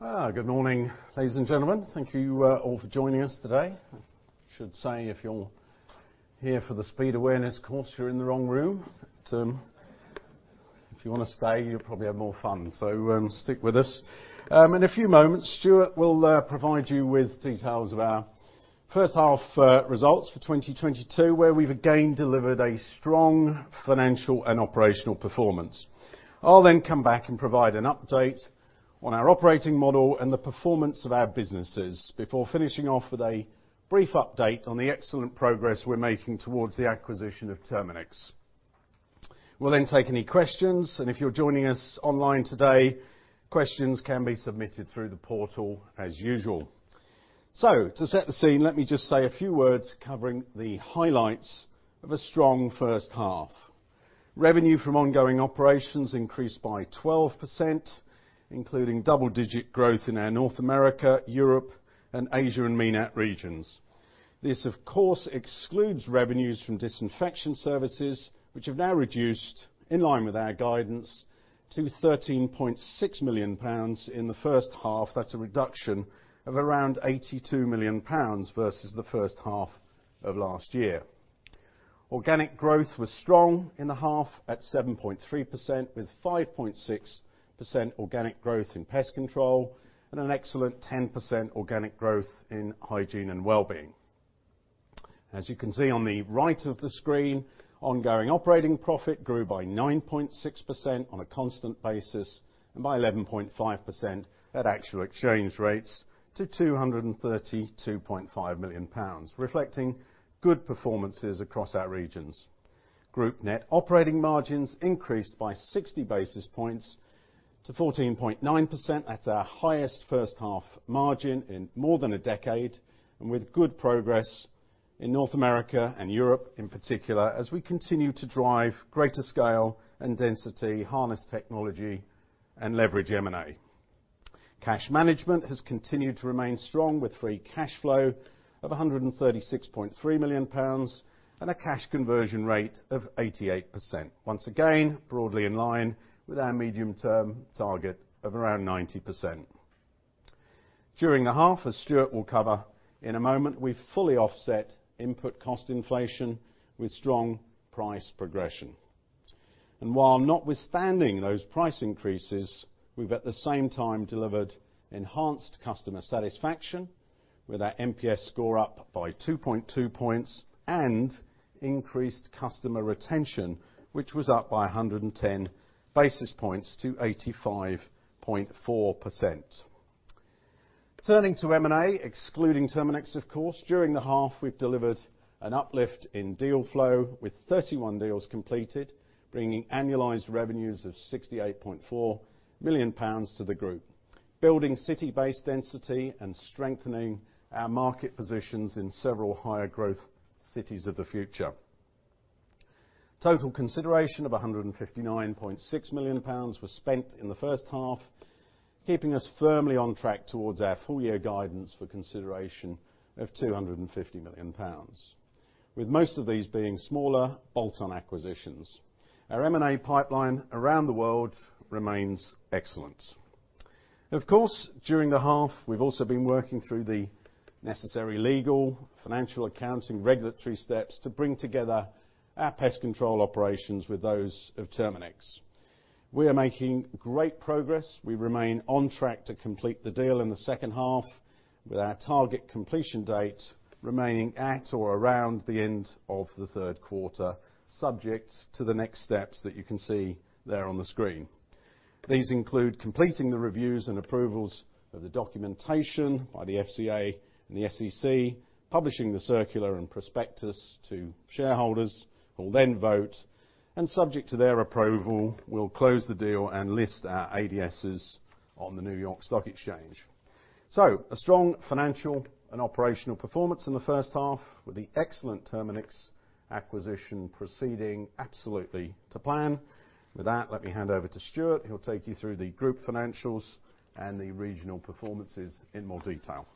Good morning, ladies and gentlemen. Thank you all for joining us today. I should say, if you're here for the speed awareness course, you're in the wrong room. If you wanna stay, you'll probably have more fun, so stick with us. In a few moments, Stuart will provide you with details of our first half results for 2022, where we've again delivered a strong financial and operational performance. I'll then come back and provide an update on our operating model and the performance of our businesses before finishing off with a brief update on the excellent progress we're making towards the acquisition of Terminix. We'll take any questions, and if you're joining us online today, questions can be submitted through the portal as usual. To set the scene, let me just say a few words covering the highlights of a strong first half. Revenue from ongoing operations increased by 12%, including double-digit growth in our North America, Europe, and Asia and MENAT regions. This, of course, excludes revenues from disinfection services, which have now reduced, in line with our guidance, to 13.6 million pounds in the first half. That's a reduction of around 82 million pounds versus the first half of last year. Organic growth was strong in the half at 7.3%, with 5.6% organic growth in pest control and an excellent 10% organic growth in hygiene and wellbeing. As you can see on the right of the screen, ongoing operating profit grew by 9.6% on a constant basis and by 11.5% at actual exchange rates to 232.5 million pounds, reflecting good performances across our regions. Group net operating margins increased by 60 basis points to 14.9%. That's our highest first half margin in more than a decade, and with good progress in North America and Europe, in particular, as we continue to drive greater scale and density, harness technology, and leverage M&A. Cash management has continued to remain strong, with free cash flow of 136.3 million pounds and a cash conversion rate of 88%. Once again, broadly in line with our medium-term target of around 90%. During the half, as Stuart will cover in a moment, we've fully offset input cost inflation with strong price progression. While notwithstanding those price increases, we've at the same time delivered enhanced customer satisfaction with our NPS score up by 2.2 points, and increased customer retention, which was up by 110 basis points to 85.4%. Turning to M&A, excluding Terminix of course, during the half, we've delivered an uplift in deal flow with 31 deals completed, bringing annualized revenues of 68.4 million pounds to the group, building city-based density and strengthening our market positions in several higher growth cities of the future. Total consideration of 159.6 million pounds was spent in the first half, keeping us firmly on track towards our full year guidance for consideration of 250 million pounds, with most of these being smaller bolt-on acquisitions. Our M&A pipeline around the world remains excellent. Of course, during the half, we've also been working through the necessary legal, financial, accounting, regulatory steps to bring together our pest control operations with those of Terminix. We are making great progress. We remain on track to complete the deal in the second half with our target completion date remaining at or around the end of the third quarter, subject to the next steps that you can see there on the screen. These include completing the reviews and approvals of the documentation by the FCA and the SEC, publishing the circular and prospectus to shareholders, who will then vote, and subject to their approval, we'll close the deal and list our ADSs on the New York Stock Exchange. A strong financial and operational performance in the first half, with the excellent Terminix acquisition proceeding absolutely to plan. With that, let me hand over to Stuart, who will take you through the group financials and the regional performances in more detail.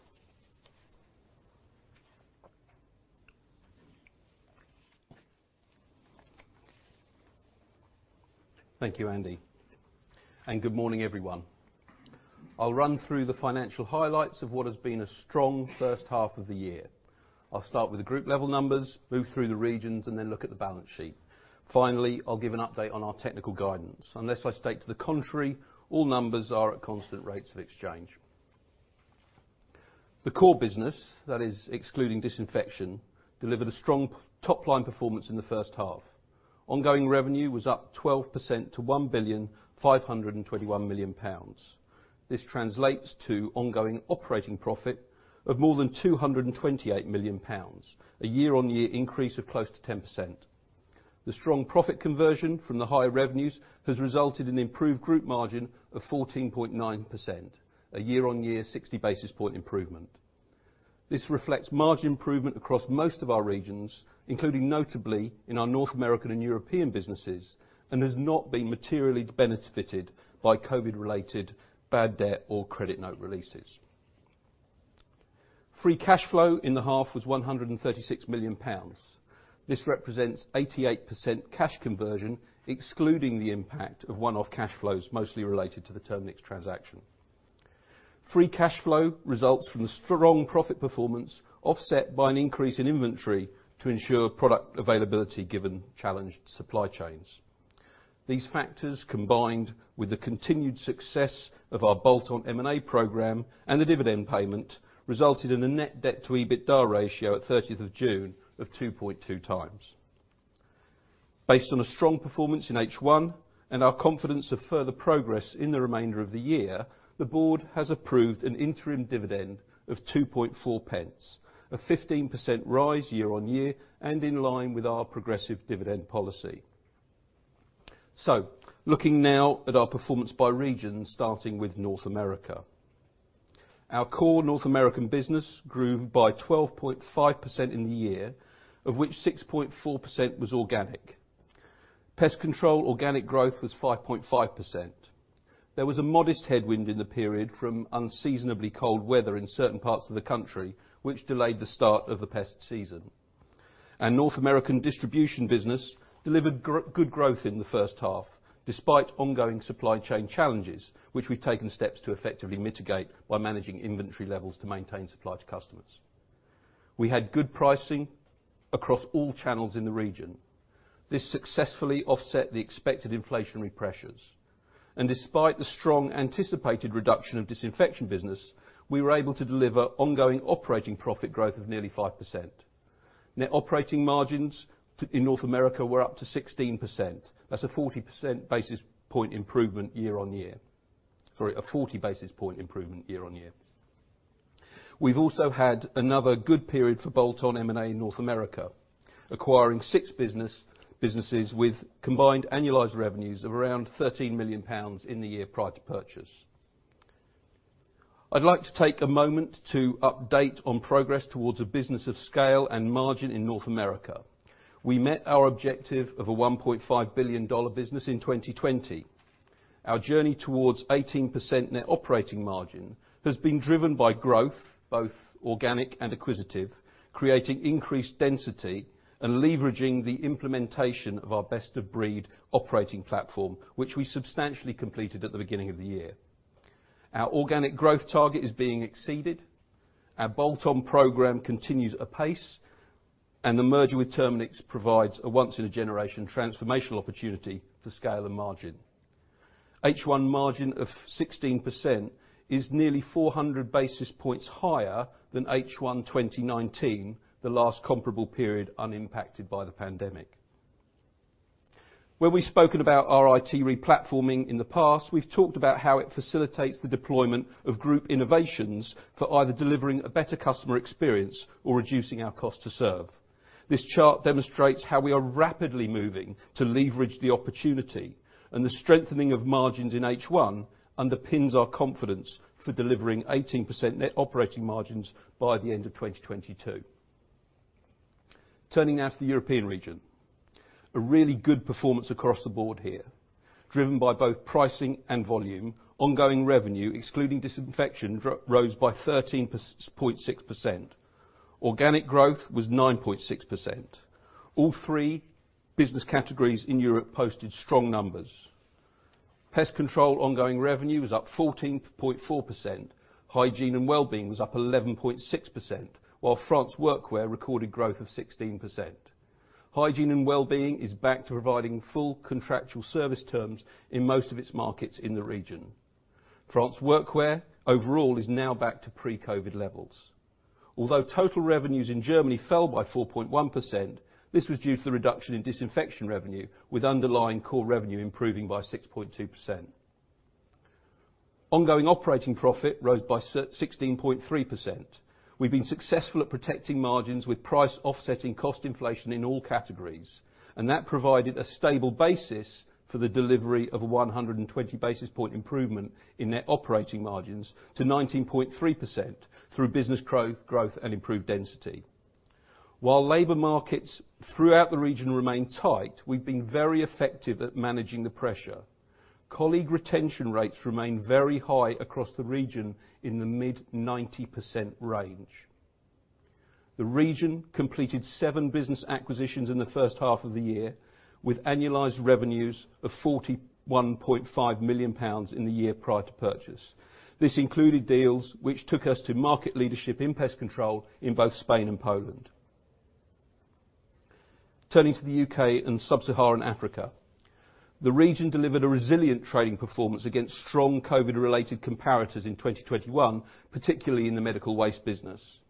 Thank you, Andy, and good morning, everyone. I'll run through the financial highlights of what has been a strong first half of the year. I'll start with the group level numbers, move through the regions, and then look at the balance sheet. Finally, I'll give an update on our technical guidance. Unless I state to the contrary, all numbers are at constant rates of exchange. The core business, that is excluding disinfection, delivered a strong top-line performance in the first half. Ongoing revenue was up 12% to 1,521 million pounds. This translates to ongoing operating profit of more than 228 million pounds, a year-on-year increase of close to 10%. The strong profit conversion from the higher revenues has resulted in improved group margin of 14.9%, a year-on-year 60 basis point improvement. This reflects margin improvement across most of our regions, including notably in our North American and European businesses, and has not been materially benefited by COVID-related bad debt or credit note releases. Free cash flow in the half was 136 million pounds. This represents 88% cash conversion, excluding the impact of one-off cash flows, mostly related to the Terminix transaction. Free cash flow results from strong profit performance, offset by an increase in inventory to ensure product availability given challenged supply chains. These factors, combined with the continued success of our bolt-on M&A program and the dividend payment, resulted in a net debt to EBITDA ratio at 30th of June of 2.2 times. Based on a strong performance in H1, and our confidence of further progress in the remainder of the year, the board has approved an interim dividend of 2.4 pence, a 15% rise year-on-year, and in line with our progressive dividend policy. Looking now at our performance by region, starting with North America. Our core North American business grew by 12.5% in the year, of which 6.4% was organic. Pest Control organic growth was 5.5%. There was a modest headwind in the period from unseasonably cold weather in certain parts of the country, which delayed the start of the pest season. Our North American distribution business delivered good growth in the first half, despite ongoing supply chain challenges, which we've taken steps to effectively mitigate by managing inventory levels to maintain supply to customers. We had good pricing across all channels in the region. This successfully offset the expected inflationary pressures, and despite the strong anticipated reduction of disinfection business, we were able to deliver ongoing operating profit growth of nearly 5%. Net operating margins in North America were up to 16%. That's a 40 percent basis point improvement year-on-year. Sorry, a 40 basis point improvement year-on-year. We've also had another good period for bolt-on M&A in North America, acquiring six businesses with combined annualized revenues of around 13 million pounds in the year prior to purchase. I'd like to take a moment to update on progress towards a business of scale and margin in North America. We met our objective of a $1.5 billion business in 2020. Our journey towards 18% net operating margin has been driven by growth, both organic and acquisitive, creating increased density and leveraging the implementation of our best of breed operating platform, which we substantially completed at the beginning of the year. Our organic growth target is being exceeded. Our bolt-on program continues apace, and the merger with Terminix provides a once in a generation transformational opportunity for scale and margin. H1 margin of 16% is nearly 400 basis points higher than H1 2019, the last comparable period unimpacted by the pandemic. When we've spoken about our IT replatforming in the past, we've talked about how it facilitates the deployment of group innovations for either delivering a better customer experience or reducing our cost to serve. This chart demonstrates how we are rapidly moving to leverage the opportunity, and the strengthening of margins in H1 underpins our confidence for delivering 18% net operating margins by the end of 2022. Turning now to the European region. A really good performance across the board here. Driven by both pricing and volume, ongoing revenue excluding disinfection grew by 13.6%. Organic growth was 9.6%. All three business categories in Europe posted strong numbers. Pest Control ongoing revenue was up 14.4%. Hygiene and Wellbeing was up 11.6%, while France Workwear recorded growth of 16%. Hygiene and Wellbeing is back to providing full contractual service terms in most of its markets in the region. France Workwear overall is now back to pre-COVID levels. Although total revenues in Germany fell by 4.1%, this was due to the reduction in disinfection revenue, with underlying core revenue improving by 6.2%. Ongoing operating profit rose by 16.3%. We've been successful at protecting margins with price offsetting cost inflation in all categories, and that provided a stable basis for the delivery of a 120 basis point improvement in net operating margins to 19.3% through business growth and improved density. While labor markets throughout the region remain tight, we've been very effective at managing the pressure. Colleague retention rates remain very high across the region in the mid-90% range. The region completed seven business acquisitions in the first half of the year, with annualized revenues of 41.5 million pounds in the year prior to purchase. This included deals which took us to market leadership in pest control in both Spain and Poland. Turning to the UK and Sub-Saharan Africa. The region delivered a resilient trading performance against strong COVID-related comparators in 2021, particularly in the medical waste business.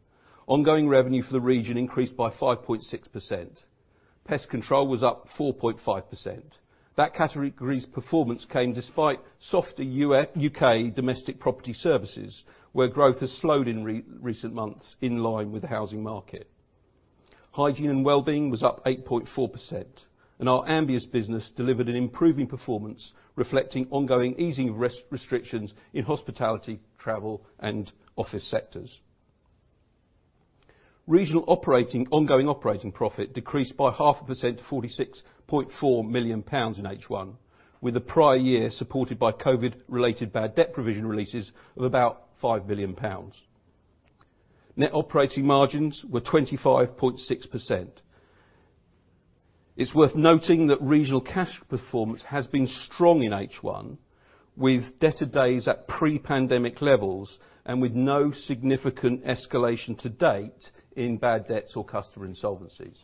Ongoing revenue for the region increased by 5.6%. Pest Control was up 4.5%. That category's performance came despite softer U.S.-U.K. domestic property services, where growth has slowed in recent months in line with the housing market. Hygiene & Wellbeing was up 8.4%, and our Ambius business delivered an improving performance, reflecting ongoing easing of restrictions in hospitality, travel, and office sectors. Regional operating, ongoing operating profit decreased by 0.5% to 46.4 million pounds in H1, with the prior year supported by COVID related bad debt provision releases of about 5 million pounds. Net operating margins were 25.6%. It's worth noting that regional cash performance has been strong in H1, with debtor days at pre-pandemic levels and with no significant escalation to date in bad debts or customer insolvencies.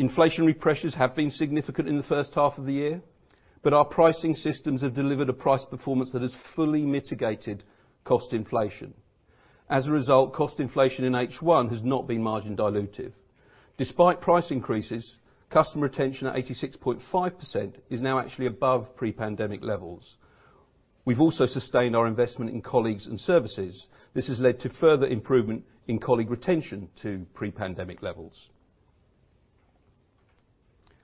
Inflationary pressures have been significant in the first half of the year, but our pricing systems have delivered a price performance that has fully mitigated cost inflation. As a result, cost inflation in H1 has not been margin dilutive. Despite price increases, customer retention at 86.5% is now actually above pre-pandemic levels. We've also sustained our investment in colleagues and services. This has led to further improvement in colleague retention to pre-pandemic levels.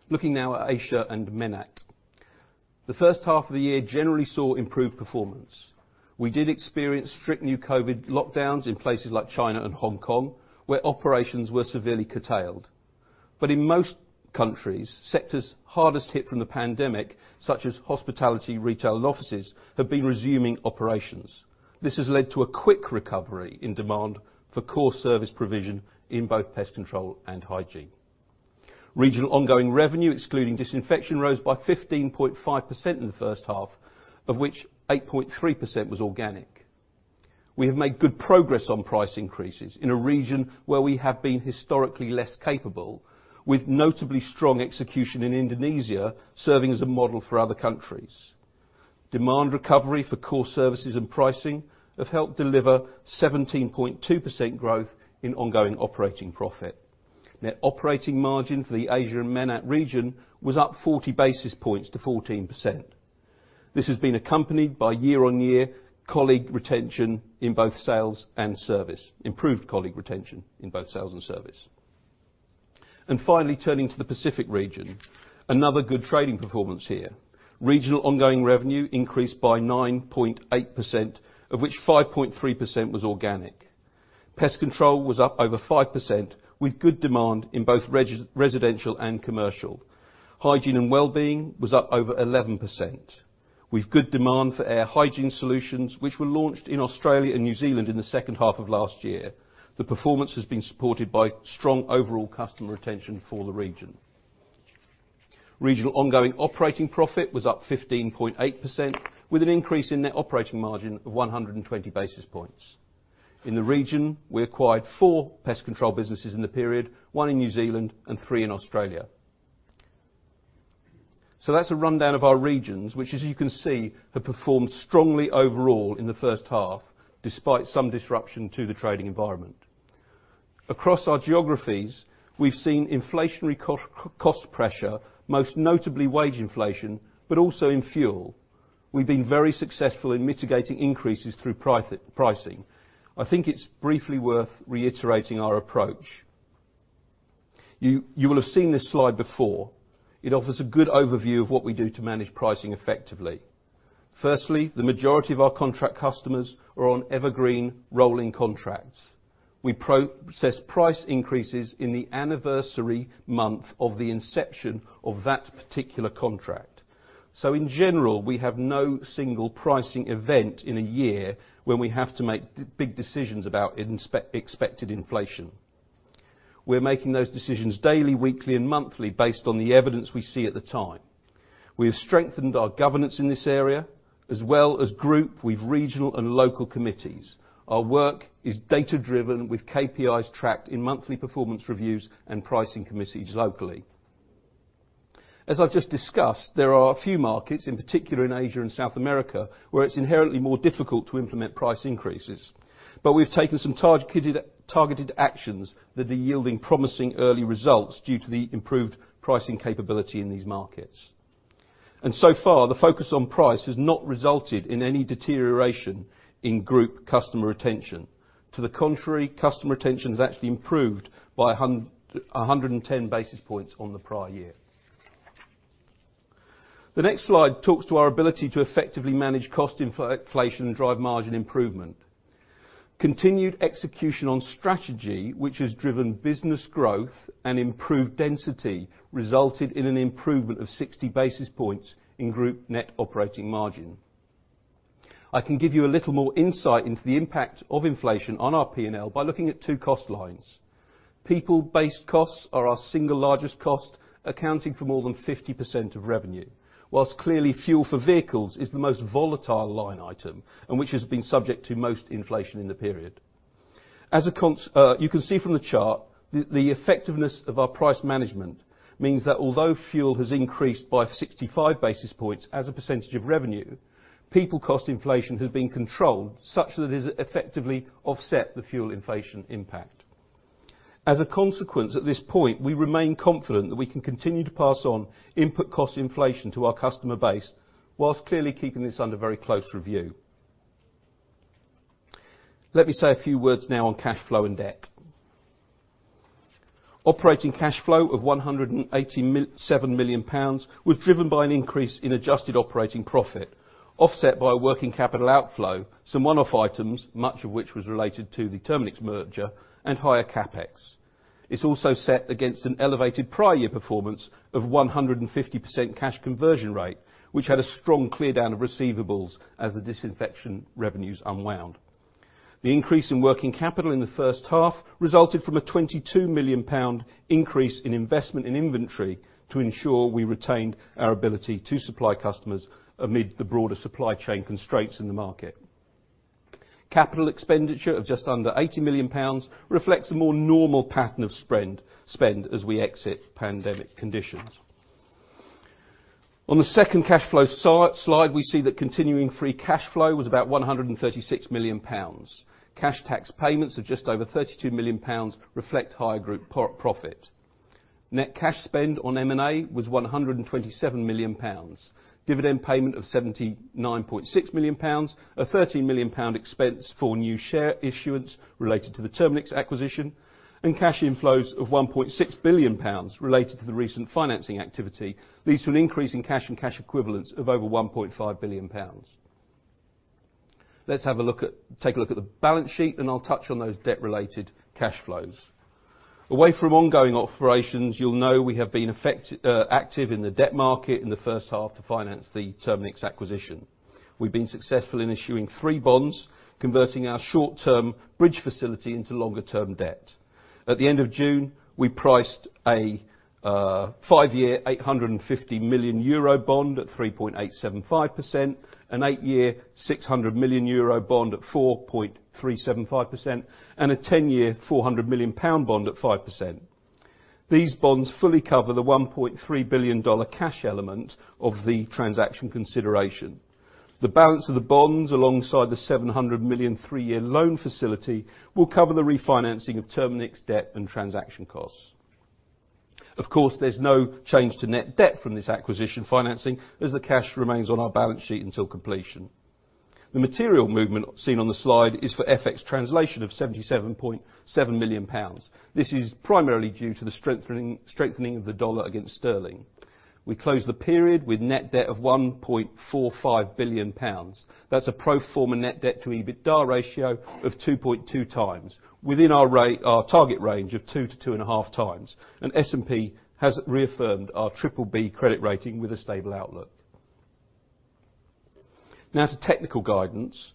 Looking now at Asia and MENAT. The first half of the year generally saw improved performance. We did experience strict new COVID lockdowns in places like China and Hong Kong, where operations were severely curtailed. In most countries, sectors hardest hit from the pandemic, such as hospitality, retail, and offices, have been resuming operations. This has led to a quick recovery in demand for core service provision in both pest control and hygiene. Regional ongoing revenue, excluding disinfection, rose by 15.5% in the first half, of which 8.3% was organic. We have made good progress on price increases in a region where we have been historically less capable, with notably strong execution in Indonesia, serving as a model for other countries. Demand recovery for core services and pricing have helped deliver 17.2% growth in ongoing operating profit. Net operating margin for the Asia and MENAT region was up 40 basis points to 14%. This has been accompanied by year-on-year improved colleague retention in both sales and service. Finally, turning to the Pacific region. Another good trading performance here. Regional ongoing revenue increased by 9.8%, of which 5.3% was organic. Pest control was up over 5%, with good demand in both residential and commercial. Hygiene and wellbeing was up over 11%, with good demand for air hygiene solutions, which were launched in Australia and New Zealand in the second half of last year. The performance has been supported by strong overall customer retention for the region. Regional ongoing operating profit was up 15.8%, with an increase in net operating margin of 120 basis points. In the region, we acquired four pest control businesses in the period, one in New Zealand and three in Australia. That's a rundown of our regions, which as you can see, have performed strongly overall in the first half, despite some disruption to the trading environment. Across our geographies, we've seen inflationary cost pressure, most notably wage inflation, but also in fuel. We've been very successful in mitigating increases through pricing. I think it's briefly worth reiterating our approach. You will have seen this slide before. It offers a good overview of what we do to manage pricing effectively. Firstly, the majority of our contract customers are on evergreen rolling contracts. We process price increases in the anniversary month of the inception of that particular contract. In general, we have no single pricing event in a year when we have to make big decisions about expected inflation. We're making those decisions daily, weekly, and monthly based on the evidence we see at the time. We have strengthened our governance in this area as well as group with regional and local committees. Our work is data-driven with KPIs tracked in monthly performance reviews and pricing committees locally. As I've just discussed, there are a few markets, in particular in Asia and South America, where it's inherently more difficult to implement price increases. We've taken some targeted actions that are yielding promising early results due to the improved pricing capability in these markets. So far, the focus on price has not resulted in any deterioration in group customer retention. To the contrary, customer retention has actually improved by 110 basis points on the prior year. The next slide talks to our ability to effectively manage cost inflation and drive margin improvement. Continued execution on strategy, which has driven business growth and improved density, resulted in an improvement of 60 basis points in group net operating margin. I can give you a little more insight into the impact of inflation on our P&L by looking at two cost lines. People-based costs are our single largest cost, accounting for more than 50% of revenue. While clearly fuel for vehicles is the most volatile line item, which has been subject to most inflation in the period. You can see from the chart, the effectiveness of our price management means that although fuel has increased by 65 basis points as a percentage of revenue, people cost inflation has been controlled such that it has effectively offset the fuel inflation impact. As a consequence, at this point, we remain confident that we can continue to pass on input cost inflation to our customer base while clearly keeping this under very close review. Let me say a few words now on cash flow and debt. Operating cash flow of 187 million pounds was driven by an increase in adjusted operating profit, offset by working capital outflow, some one-off items, much of which was related to the Terminix merger, and higher CapEx. It's also set against an elevated prior year performance of 150% cash conversion rate, which had a strong clear-down of receivables as the disinfection revenues unwound. The increase in working capital in the first half resulted from a 22 million pound increase in investment in inventory to ensure we retained our ability to supply customers amid the broader supply chain constraints in the market. Capital expenditure of just under 80 million pounds reflects a more normal pattern of spend as we exit pandemic conditions. On the second cashflow slide, we see that continuing free cashflow was about 136 million pounds. Cash tax payments of just over 32 million pounds reflect higher group profit. Net cash spend on M&A was 127 million pounds. Dividend payment of 79.6 million pounds. A 13 million pound expense for new share issuance related to the Terminix acquisition. Cash inflows of 1.6 billion pounds related to the recent financing activity leads to an increase in cash and cash equivalents of over 1.5 billion pounds. Let's take a look at the balance sheet, and I'll touch on those debt-related cash flows. Away from ongoing operations, you'll know we have been active in the debt market in the first half to finance the Terminix acquisition. We've been successful in issuing three bonds, converting our short-term bridge facility into longer-term debt. At the end of June, we priced a 5-year 850 million euro bond at 3.875%, an 8-year 600 million euro bond at 4.375%, and a 10-year 400 million pound bond at 5%. These bonds fully cover the $1.3 billion cash element of the transaction consideration. The balance of the bonds, alongside the 700 million 3-year loan facility, will cover the refinancing of Terminix debt and transaction costs. Of course, there's no change to net debt from this acquisition financing, as the cash remains on our balance sheet until completion. The material movement seen on the slide is for FX translation of 77.7 million pounds. This is primarily due to the strengthening of the dollar against sterling. We closed the period with net debt of 1.45 billion pounds. That's a pro forma net debt to EBITDA ratio of 2.2 times, within our target range of 2-2.5 times. S&P has reaffirmed our BBB credit rating with a stable outlook. Now to technical guidance.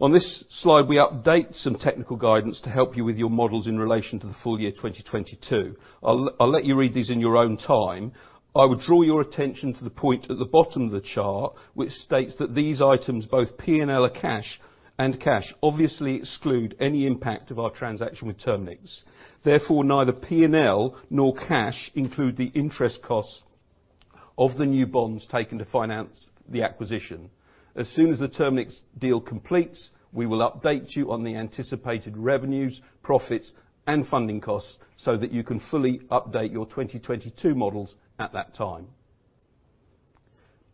On this slide, we update some technical guidance to help you with your models in relation to the full year 2022. I'll let you read these in your own time. I would draw your attention to the point at the bottom of the chart, which states that these items, both P&L and cash, obviously exclude any impact of our transaction with Terminix. Therefore, neither P&L nor cash include the interest costs of the new bonds taken to finance the acquisition. As soon as the Terminix deal completes, we will update you on the anticipated revenues, profits, and funding costs so that you can fully update your 2022 models at that time.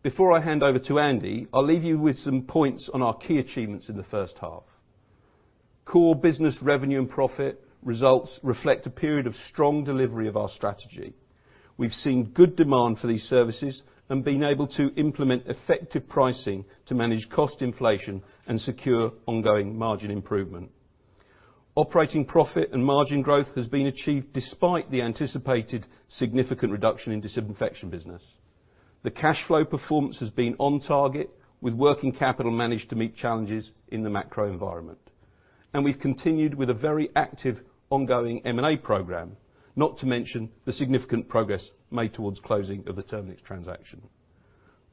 Before I hand over to Andy, I'll leave you with some points on our key achievements in the first half. Core business revenue and profit results reflect a period of strong delivery of our strategy. We've seen good demand for these services and been able to implement effective pricing to manage cost inflation and secure ongoing margin improvement. Operating profit and margin growth has been achieved despite the anticipated significant reduction in disinfection business. The cash flow performance has been on target, with working capital managed to meet challenges in the macro environment. We've continued with a very active ongoing M&A program, not to mention the significant progress made towards closing of the Terminix transaction.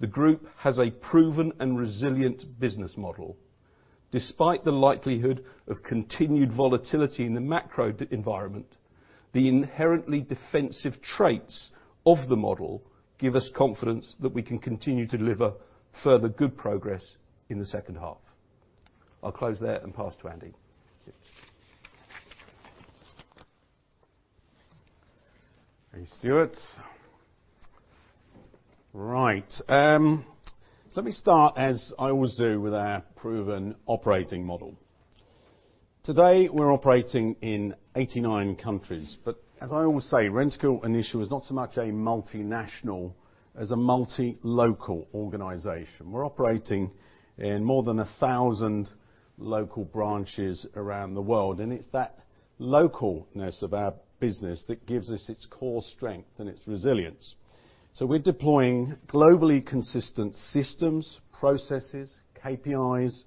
The group has a proven and resilient business model. Despite the likelihood of continued volatility in the macro environment, the inherently defensive traits of the model give us confidence that we can continue to deliver further good progress in the second half. I'll close there and pass to Andy. Thank you. Thanks, Stuart. Right. Let me start, as I always do, with our proven operating model. Today, we're operating in 89 countries. As I always say, Rentokil Initial is not so much a multinational as a multi-local organization. We're operating in more than 1,000 local branches around the world. It's that localness of our business that gives us its core strength and its resilience. We're deploying globally consistent systems, processes, KPIs,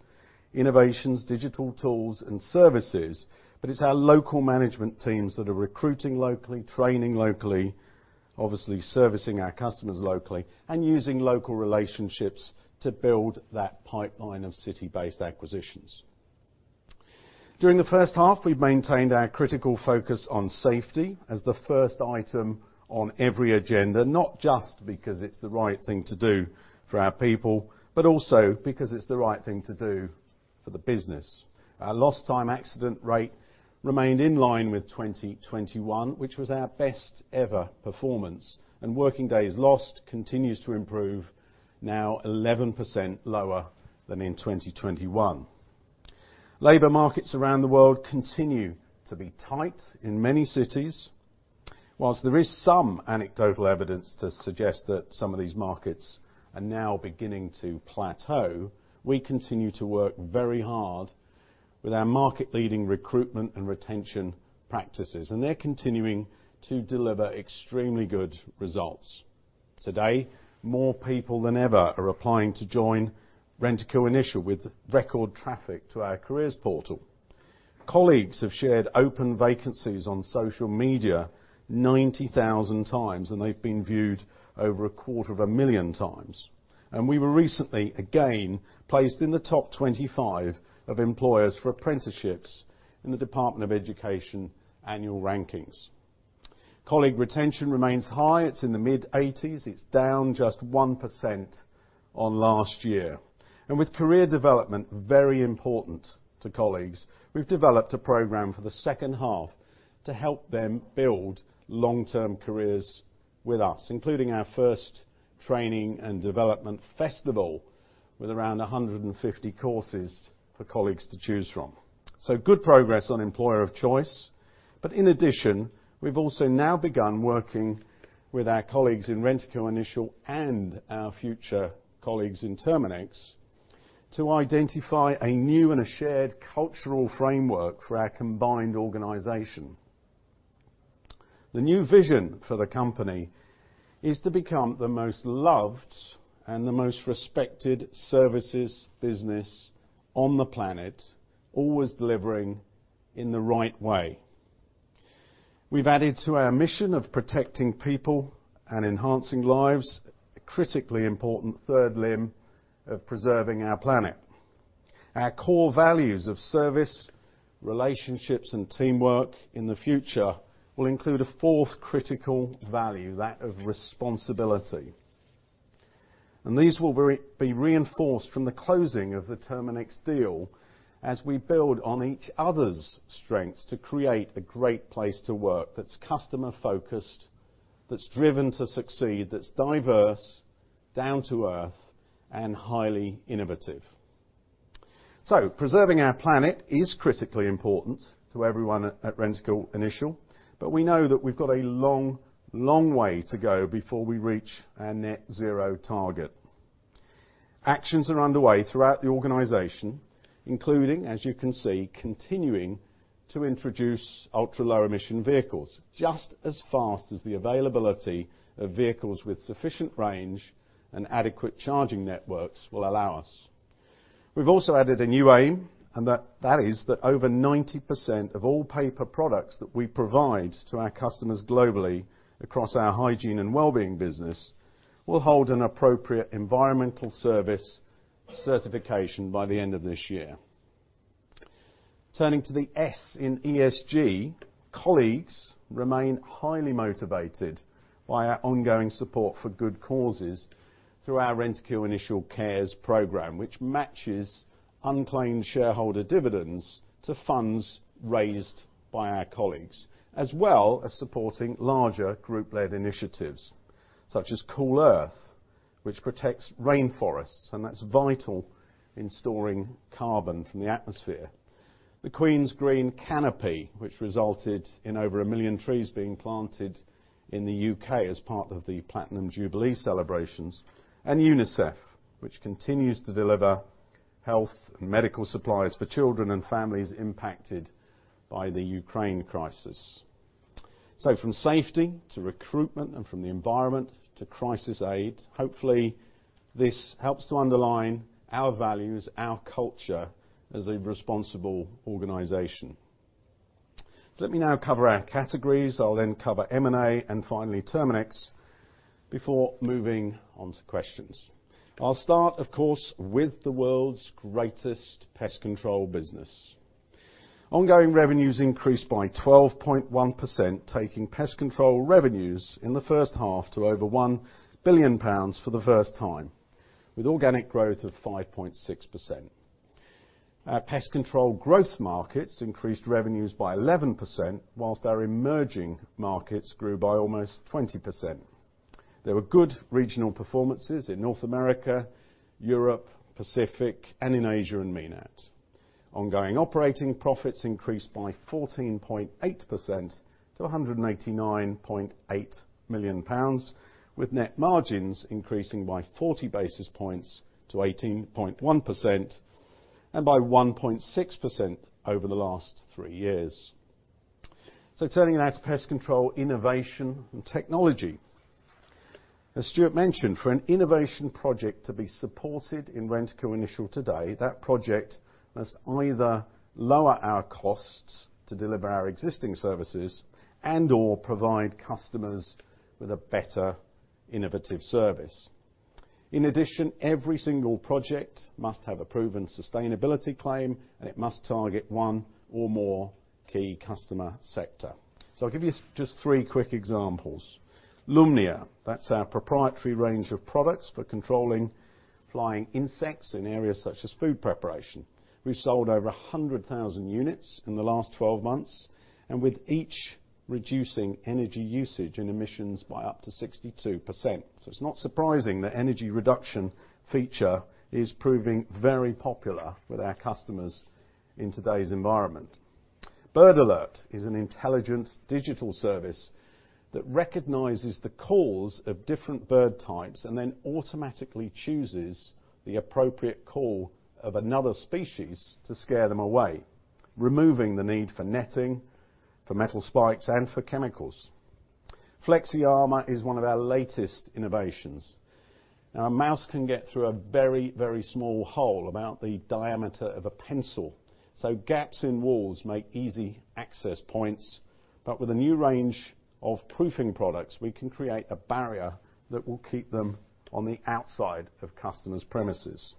innovations, digital tools, and services. It's our local management teams that are recruiting locally, training locally, obviously servicing our customers locally, and using local relationships to build that pipeline of city-based acquisitions. During the first half, we've maintained our critical focus on safety as the first item on every agenda, not just because it's the right thing to do for our people, but also because it's the right thing to do for the business. Our lost time accident rate remained in line with 2021, which was our best ever performance. Working days lost continues to improve, now 11% lower than in 2021. Labor markets around the world continue to be tight in many cities. While there is some anecdotal evidence to suggest that some of these markets are now beginning to plateau, we continue to work very hard with our market-leading recruitment and retention practices, and they're continuing to deliver extremely good results. Today, more people than ever are applying to join Rentokil Initial with record traffic to our careers portal. Colleagues have shared open vacancies on social media 90,000 times, and they've been viewed over 250,000 times. We were recently, again, placed in the top 25 of employers for apprenticeships in the Department for Education annual rankings. Colleague retention remains high. It's in the mid-80s. It's down just 1% on last year. With career development very important to colleagues, we've developed a program for the second half to help them build long-term careers with us, including our first training and development festival with around 150 courses for colleagues to choose from. Good progress on employer of choice. In addition, we've also now begun working with our colleagues in Rentokil Initial and our future colleagues in Terminix to identify a new and a shared cultural framework for our combined organization. The new vision for the company is to become the most loved and the most respected services business on the planet, always delivering in the right way. We've added to our mission of protecting people and enhancing lives, a critically important third limb of preserving our planet. Our core values of service, relationships, and teamwork in the future will include a fourth critical value, that of responsibility. These will be reinforced from the closing of the Terminix deal as we build on each other's strengths to create a great place to work that's customer-focused, that's driven to succeed, that's diverse, down-to-earth, and highly innovative. Preserving our planet is critically important to everyone at Rentokil Initial, but we know that we've got a long way to go before we reach our net zero target. Actions are underway throughout the organization, including, as you can see, continuing to introduce ultra-low emission vehicles just as fast as the availability of vehicles with sufficient range and adequate charging networks will allow us. We've also added a new aim, and that is that over 90% of all paper products that we provide to our customers globally across our hygiene and wellbeing business will hold an appropriate environmental service certification by the end of this year. Turning to the S in ESG, colleagues remain highly motivated by our ongoing support for good causes through our Rentokil Initial Cares program, which matches unclaimed shareholder dividends to funds raised by our colleagues, as well as supporting larger group-led initiatives such as Cool Earth, which protects rainforests, and that's vital in storing carbon from the atmosphere. The Queen's Green Canopy, which resulted in over 1 million trees being planted in the U.K. as part of the Platinum Jubilee celebrations. UNICEF, which continues to deliver health and medical supplies for children and families impacted by the Ukraine crisis. From safety to recruitment and from the environment to crisis aid, hopefully this helps to underline our values, our culture as a responsible organization. Let me now cover our categories. I'll then cover M&A and finally Terminix before moving on to questions. I'll start, of course, with the world's greatest pest control business. Ongoing revenues increased by 12.1%, taking pest control revenues in the first half to over 1 billion pounds for the first time, with organic growth of 5.6%. Our pest control growth markets increased revenues by 11%, while our emerging markets grew by almost 20%. There were good regional performances in North America, Europe, Pacific, and in Asia and MENAT. Ongoing operating profits increased by 14.8% to 189.8 million pounds, with net margins increasing by 40 basis points to 18.1%, and by 1.6% over the last 3 years. Turning now to pest control innovation and technology. As Stuart mentioned, for an innovation project to be supported in Rentokil Initial today, that project must either lower our costs to deliver our existing services and/or provide customers with a better innovative service. In addition, every single project must have a proven sustainability claim, and it must target one or more key customer sector. I'll give you just 3 quick examples. Lumnia, that's our proprietary range of products for controlling flying insects in areas such as food preparation. We've sold over 100,000 units in the last 12 months, and with each reducing energy usage and emissions by up to 62%. It's not surprising that energy reduction feature is proving very popular with our customers in today's environment. BirdAlert is an intelligent digital service that recognizes the calls of different bird types and then automatically chooses the appropriate call of another species to scare them away, removing the need for netting, for metal spikes, and for chemicals. Flexi Armour is one of our latest innovations. Now a mouse can get through a very, very small hole about the diameter of a pencil, so gaps in walls make easy access points. With a new range of proofing products, we can create a barrier that will keep them on the outside of customers' premises.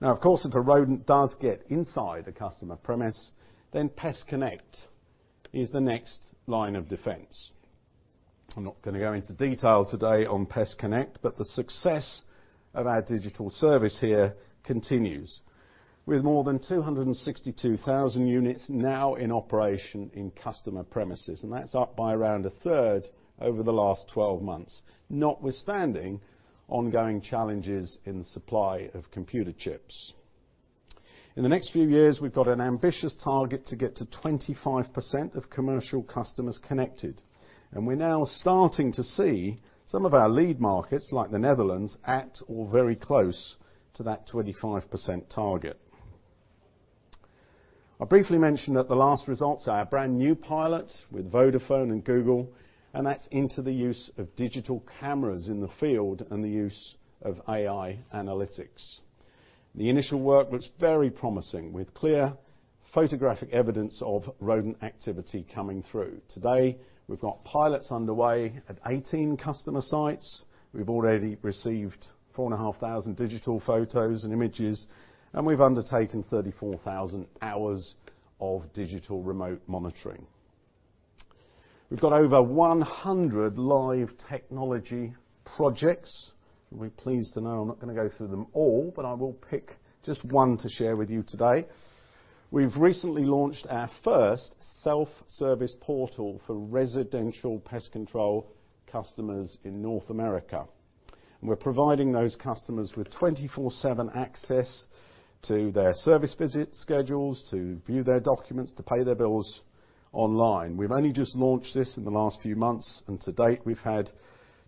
Now, of course, if a rodent does get inside a customer premise, then PestConnect is the next line of defense. I'm not gonna go into detail today on PestConnect, but the success of our digital service here continues. With more than 262,000 units now in operation in customer premises, and that's up by around a third over the last 12 months, notwithstanding ongoing challenges in supply of computer chips. In the next few years, we've got an ambitious target to get to 25% of commercial customers connected, and we're now starting to see some of our lead markets, like the Netherlands, at or very close to that 25% target. I briefly mentioned at the last results our brand-new pilot with Vodafone and Google, and that's into the use of digital cameras in the field and the use of AI analytics. The initial work looks very promising with clear photographic evidence of rodent activity coming through. Today, we've got pilots underway at 18 customer sites. We've already received 4,500 digital photos and images, and we've undertaken 34,000 hours of digital remote monitoring. We've got over 100 live technology projects. You'll be pleased to know I'm not gonna go through them all, but I will pick just one to share with you today. We've recently launched our first self-service portal for residential pest control customers in North America, and we're providing those customers with 24/7 access to their service visit schedules, to view their documents, to pay their bills online. We've only just launched this in the last few months, and to date, we've had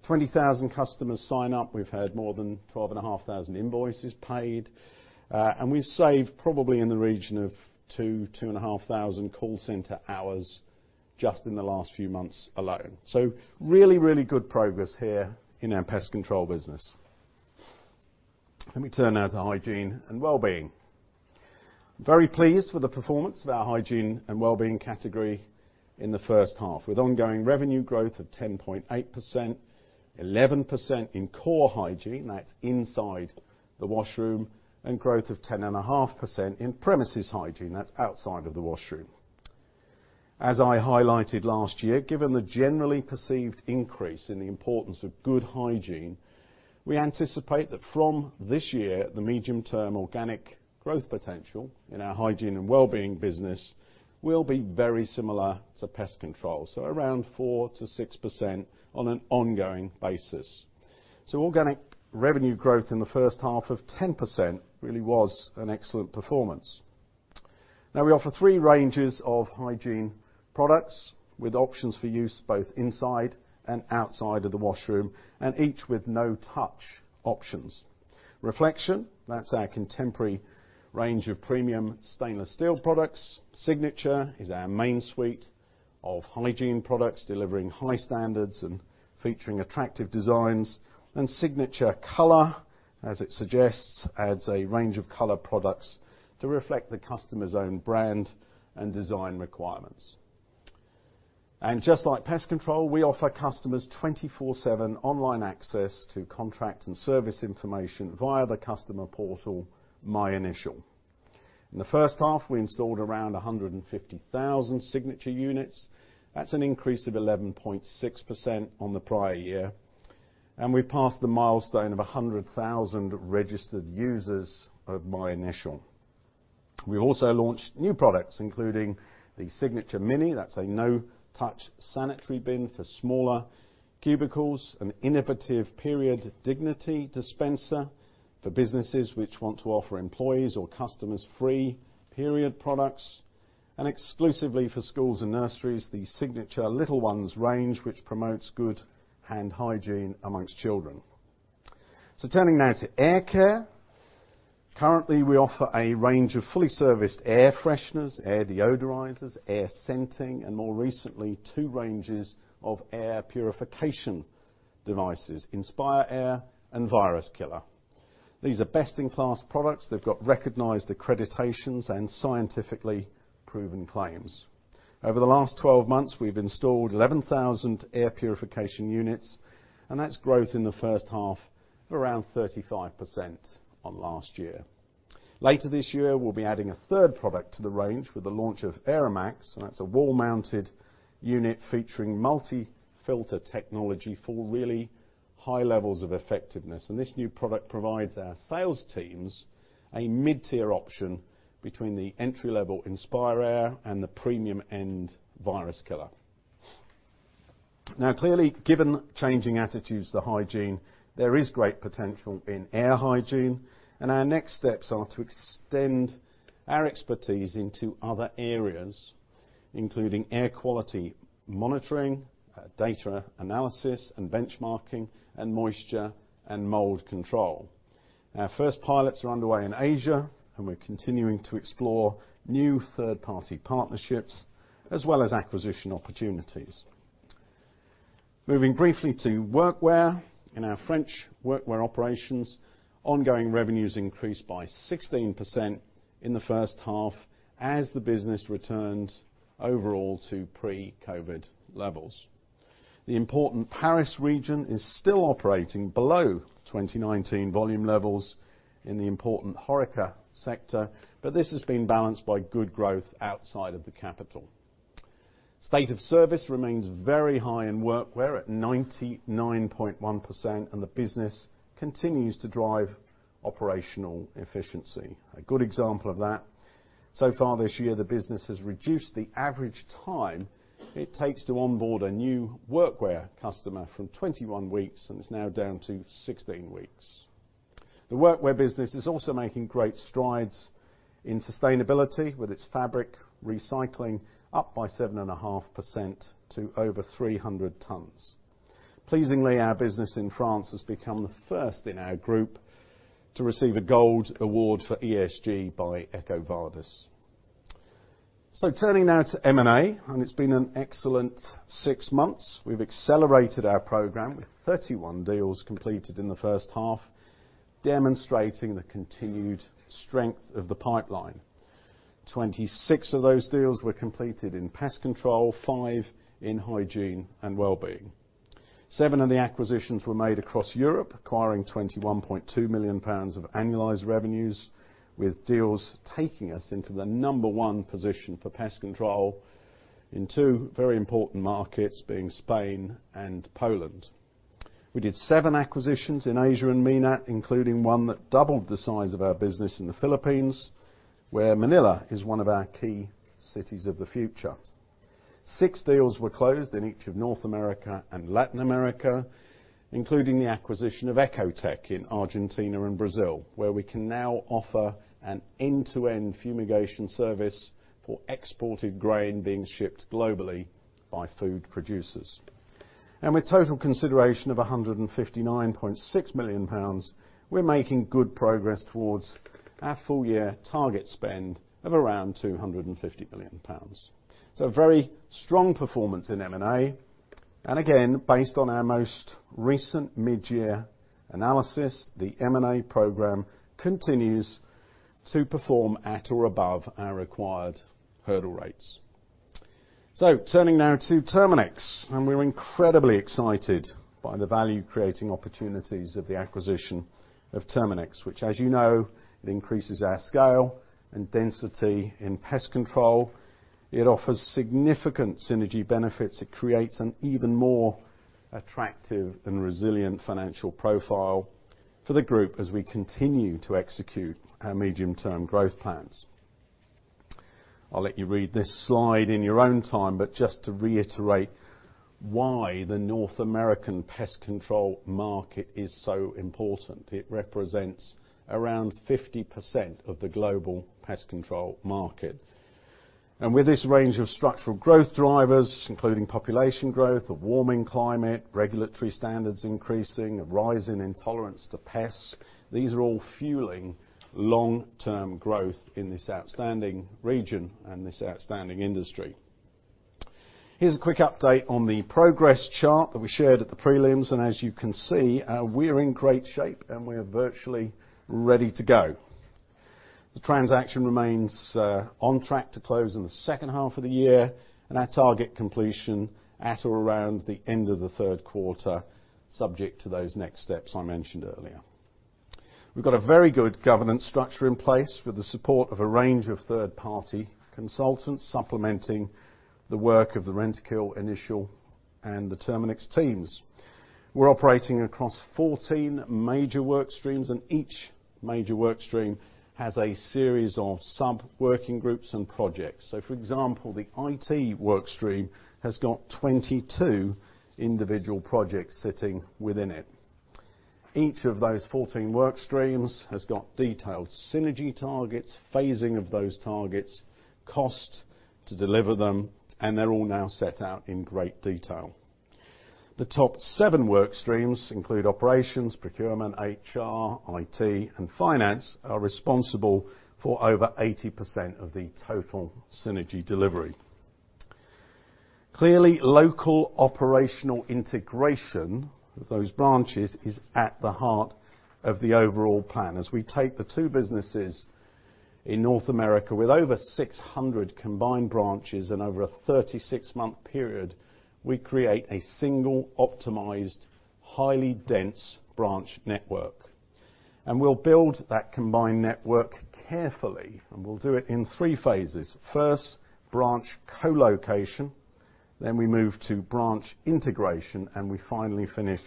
20,000 customers sign up. We've had more than 12,500 invoices paid, and we've saved probably in the region of 2,500 call center hours just in the last few months alone. Really, really good progress here in our Pest Control business. Let me turn now to Hygiene and Wellbeing. Very pleased with the performance of our Hygiene and Wellbeing category in the first half, with ongoing revenue growth of 10.8%, 11% in core hygiene, that's inside the washroom, and growth of 10.5% in premises hygiene, that's outside of the washroom. As I highlighted last year, given the generally perceived increase in the importance of good hygiene, we anticipate that from this year, the medium-term organic growth potential in our Hygiene & Wellbeing business will be very similar to Pest Control, so around 4%-6% on an ongoing basis. Organic revenue growth in the first half of 10% really was an excellent performance. Now we offer three ranges of hygiene products with options for use both inside and outside of the washroom, and each with no-touch options. Reflection, that's our contemporary range of premium stainless steel products. Signature is our main suite of hygiene products, delivering high standards and featuring attractive designs. Signature Color, as it suggests, adds a range of color products to reflect the customer's own brand and design requirements. Just like pest control, we offer customers 24/7 online access to contract and service information via the customer portal, myInitial. In the first half, we installed around 150,000 Signature units. That's an increase of 11.6% on the prior year, and we passed the milestone of 100,000 registered users of myInitial. We also launched new products, including the Signature Mini, that's a no-touch sanitary bin for smaller cubicles, an innovative period dignity dispenser for businesses which want to offer employees or customers free period products, and exclusively for schools and nurseries, the Signature Little Ones range, which promotes good hand hygiene among children. Turning now to air care. Currently, we offer a range of fully serviced air fresheners, air deodorizers, air scenting, and more recently, two ranges of air purification devices, InspireAir and VIRUSKILLER. These are best-in-class products. They've got recognized accreditations and scientifically proven claims. Over the last 12 months, we've installed 11,000 air purification units, and that's growth in the first half of around 35% on last year. Later this year, we'll be adding a third product to the range with the launch of Aramax, and that's a wall-mounted unit featuring multi-filter technology for really high levels of effectiveness. This new product provides our sales teams a mid-tier option between the entry-level InspireAir and the premium-end VIRUSKILLER. Now, clearly, given changing attitudes to hygiene, there is great potential in air hygiene, and our next steps are to extend our expertise into other areas, including air quality monitoring, data analysis and benchmarking, and moisture and mold control. Our first pilots are underway in Asia, and we're continuing to explore new third-party partnerships as well as acquisition opportunities. Moving briefly to workwear. In our French workwear operations, ongoing revenues increased by 16% in the first half as the business returned overall to pre-COVID levels. The important Paris region is still operating below 2019 volume levels in the important HoReCa sector, but this has been balanced by good growth outside of the capital. State of service remains very high in workwear at 99.1%, and the business continues to drive operational efficiency. A good example of that, so far this year, the business has reduced the average time it takes to onboard a new workwear customer from 21 weeks, and it's now down to 16 weeks. The workwear business is also making great strides in sustainability, with its fabric recycling up by 7.5% to over 300 tons. Pleasingly, our business in France has become the first in our group to receive a Gold Award for ESG by EcoVadis. Turning now to M&A, and it's been an excellent six months. We've accelerated our program, with 31 deals completed in the first half, demonstrating the continued strength of the pipeline. 26 of those deals were completed in Pest Control, 5 in Hygiene & Wellbeing. 7 of the acquisitions were made across Europe, acquiring 21.2 million pounds of annualized revenues, with deals taking us into the number one position for Pest Control in two very important markets being Spain and Poland. We did 7 acquisitions in Asia and MENAT, including one that doubled the size of our business in the Philippines, where Manila is one of our key cities of the future. 6 deals were closed in each of North America and Latin America, including the acquisition of Ekotek in Argentina and Brazil, where we can now offer an end-to-end fumigation service for exported grain being shipped globally by food producers. With total consideration of 159.6 million pounds, we're making good progress towards our full year target spend of around 250 million pounds. A very strong performance in M&A. Again, based on our most recent mid-year analysis, the M&A program continues to perform at or above our required hurdle rates. Turning now to Terminix, and we're incredibly excited by the value creating opportunities of the acquisition of Terminix, which as you know, it increases our scale and density in pest control. It offers significant synergy benefits. It creates an even more attractive and resilient financial profile for the group as we continue to execute our medium-term growth plans. I'll let you read this slide in your own time, but just to reiterate why the North American pest control market is so important. It represents around 50% of the global pest control market. With this range of structural growth drivers, including population growth, a warming climate, regulatory standards increasing, a rise in intolerance to pests, these are all fueling long-term growth in this outstanding region and this outstanding industry. Here's a quick update on the progress chart that we shared at the prelims. As you can see, we're in great shape, and we're virtually ready to go. The transaction remains on track to close in the second half of the year, and our target completion at or around the end of the third quarter, subject to those next steps I mentioned earlier. We've got a very good governance structure in place with the support of a range of third-party consultants supplementing the work of the Rentokil Initial and the Terminix teams. We're operating across 14 major work streams, and each major work stream has a series of sub-working groups and projects. For example, the IT work stream has got 22 individual projects sitting within it. Each of those 14 work streams has got detailed synergy targets, phasing of those targets, cost to deliver them, and they're all now set out in great detail. The top seven work streams include operations, procurement, HR, IT, and finance are responsible for over 80% of the total synergy delivery. Clearly, local operational integration of those branches is at the heart of the overall plan. As we take the two businesses in North America with over 600 combined branches in over a 36-month period, we create a single optimized, highly dense branch network. We'll build that combined network carefully, and we'll do it in three phases. First, branch co-location, then we move to branch integration, and we finally finish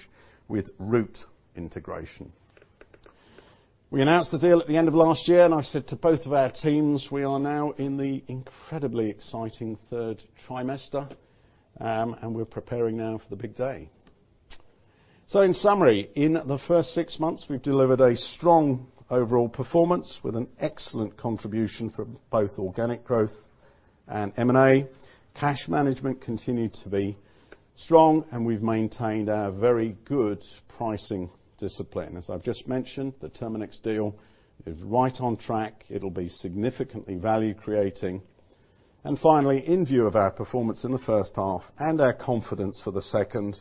with route integration. We announced the deal at the end of last year, and I said to both of our teams, we are now in the incredibly exciting third trimester, and we're preparing now for the big day. In summary, in the first six months, we've delivered a strong overall performance with an excellent contribution from both organic growth and M&A. Cash management continued to be strong, and we've maintained our very good pricing discipline. As I've just mentioned, the Terminix deal is right on track. It'll be significantly value creating. Finally, in view of our performance in the first half and our confidence for the second,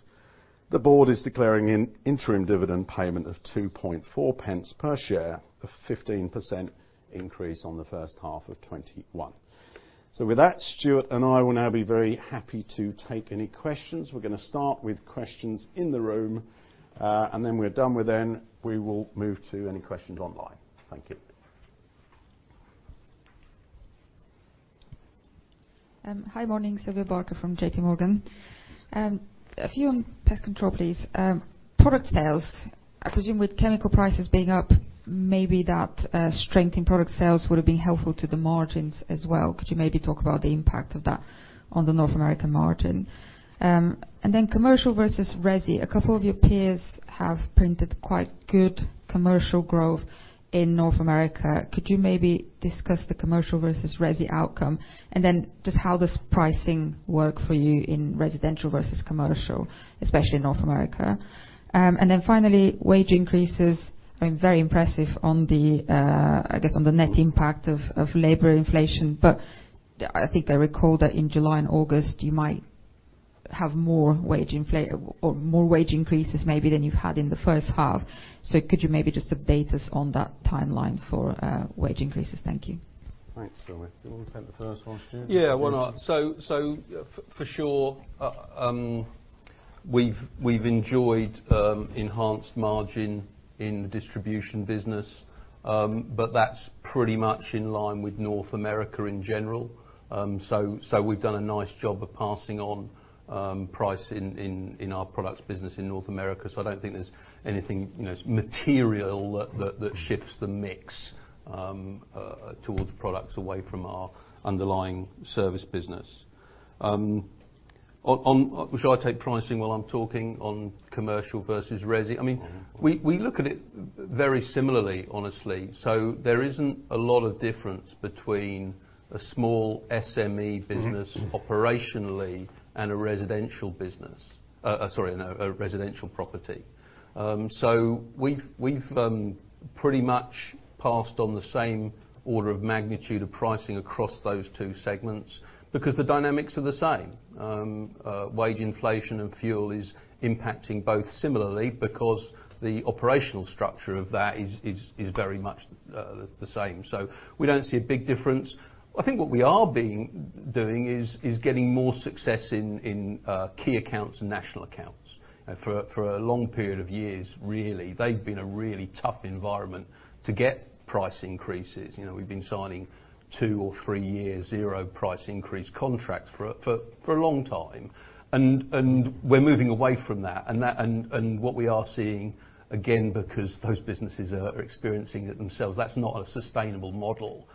the board is declaring an interim dividend payment of 2.4 pence per share, a 15% increase on the first half of 2021. With that, Stuart and I will now be very happy to take any questions. We're gonna start with questions in the room, and then we're done with them, we will move to any questions online. Thank you. Hi. Morning. Sylvia Barker from J.P. Morgan. A few on pest control, please. Product sales, I presume with chemical prices being up, maybe that strength in product sales would have been helpful to the margins as well. Could you maybe talk about the impact of that on the North American margin? Commercial versus resi. A couple of your peers have printed quite good commercial growth in North America. Could you maybe discuss the commercial versus resi outcome? Just how does pricing work for you in residential versus commercial, especially in North America? Finally, wage increases have been very impressive on the, I guess, on the net impact of labor inflation. I think I recall that in July and August, you might have more wage increases maybe than you've had in the first half. Could you maybe just update us on that timeline for wage increases? Thank you. Thanks, Sylvia. Do you want to take the first one, Stuart? Yeah, why not? For sure, we've enjoyed enhanced margin in the distribution business, but that's pretty much in line with North America in general. We've done a nice job of passing on price in our products business in North America. I don't think there's anything, you know, material that shifts the mix towards products away from our underlying service business. Shall I take pricing while I'm talking on commercial versus resi? Mm-hmm. I mean, we look at it very similarly, honestly. There isn't a lot of difference between a small SME business operationally and a residential property. We've pretty much passed on the same order of magnitude of pricing across those two segments because the dynamics are the same. Wage inflation and fuel is impacting both similarly because the operational structure of that is very much the same. We don't see a big difference. I think what we are doing is getting more success in key accounts and national accounts. For a long period of years, really, they've been a really tough environment to get price increases. You know, we've been signing two or three-year zero price increase contracts for a long time. We're moving away from that. What we are seeing, again, because those businesses are experiencing it themselves, that's not a sustainable model.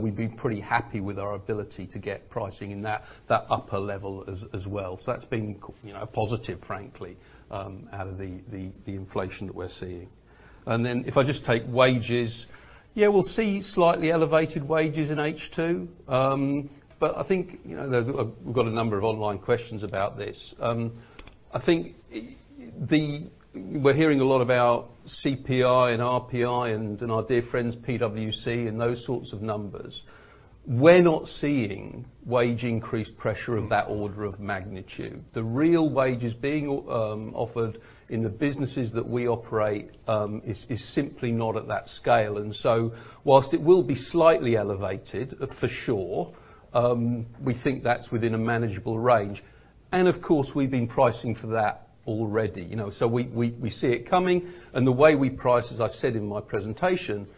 We've been pretty happy with our ability to get pricing in that upper level as well. That's been, you know, a positive, frankly, out of the inflation that we're seeing. If I just take wages. Yeah, we'll see slightly elevated wages in H2. But I think, you know, we've got a number of online questions about this. I think we're hearing a lot about CPI and RPI and our dear friends PwC and those sorts of numbers. We're not seeing wage increase pressure of that order of magnitude. The real wages being offered in the businesses that we operate is simply not at that scale. While it will be slightly elevated, for sure, we think that's within a manageable range. Of course, we've been pricing for that already, you know. We see it coming and the way we price, as I said in my presentation,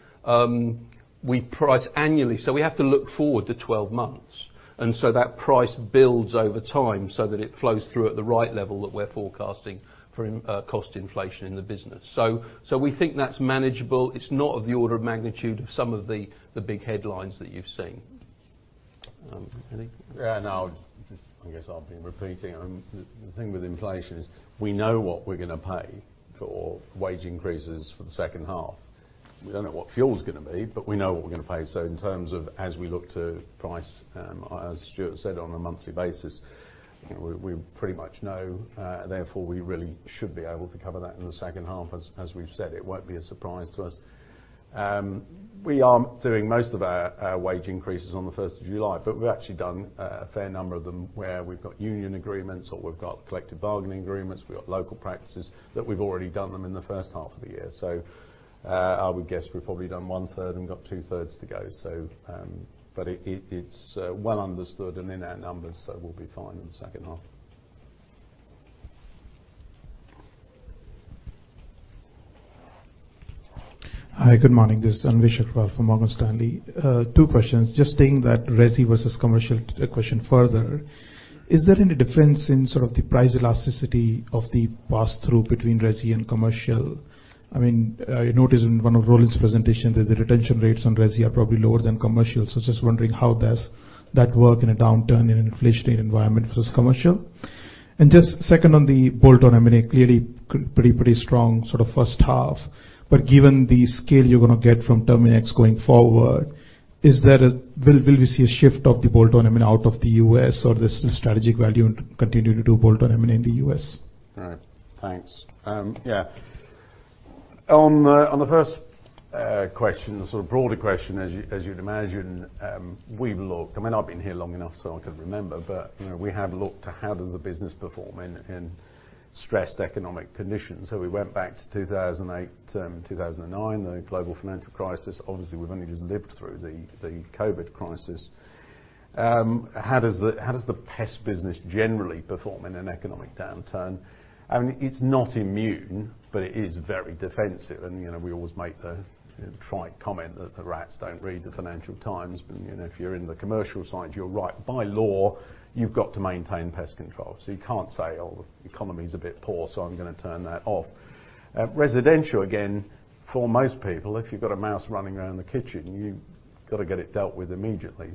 we price annually, so we have to look forward to 12 months. That price builds over time so that it flows through at the right level that we're forecasting for cost inflation in the business. We think that's manageable. It's not of the order of magnitude of some of the big headlines that you've seen. Anything? Yeah, no. I guess I'll be repeating. The thing with inflation is we know what we're gonna pay for wage increases for the second half. We don't know what fuel's gonna be, but we know what we're gonna pay. In terms of as we look to price, as Stuart said, on a monthly basis, we pretty much know, therefore, we really should be able to cover that in the second half. As we've said, it won't be a surprise to us. We are doing most of our wage increases on the first of July, but we've actually done a fair number of them where we've got union agreements or we've got collective bargaining agreements, we've got local practices that we've already done them in the first half of the year. I would guess we've probably done one-third and got two-thirds to go. It's well understood and in our numbers, so we'll be fine in the second half. Hi, good morning. This is Anvesh Shetty from Morgan Stanley. Two questions. Just taking that resi versus commercial question further, is there any difference in sort of the price elasticity of the pass-through between resi and commercial? I mean, I noticed in one of Rollins's presentation that the retention rates on resi are probably lower than commercial. Just wondering how does that work in a downturn in an inflationary environment versus commercial? Just second, on the bolt-on M&A, clearly pretty strong sort of first half. Given the scale you're gonna get from Terminix going forward, will we see a shift of the bolt-ons, I mean, out of the U.S.? Or there's still strategic value in continuing to do bolt-on M&A in the U.S.? All right. Thanks. Yeah. On the first question, the sort of broader question, as you'd imagine, we've looked. I mean, I've been here long enough so I can remember. You know, we have looked to how does the business perform in stressed economic conditions. We went back to 2008, 2009, the global financial crisis. Obviously, we've only just lived through the COVID crisis. How does the pest business generally perform in an economic downturn? I mean, it's not immune, but it is very defensive. You know, we always make the trite comment that the rats don't read the Financial Times. You know, if you're in the commercial side, you're right. By law, you've got to maintain pest control. You can't say, "Oh, the economy's a bit poor, so I'm gonna turn that off." Residential, again, for most people, if you've got a mouse running around the kitchen, you've got to get it dealt with immediately.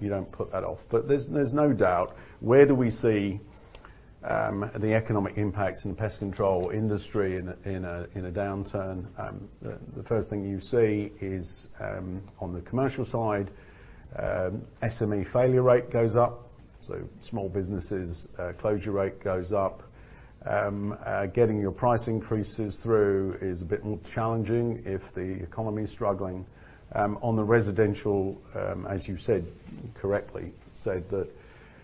You don't put that off. There's no doubt where do we see the economic impact in the pest control industry in a downturn. The first thing you see is on the commercial side, SME failure rate goes up. Small businesses, closure rate goes up. Getting your price increases through is a bit more challenging if the economy is struggling. On the residential, as you said, correctly said that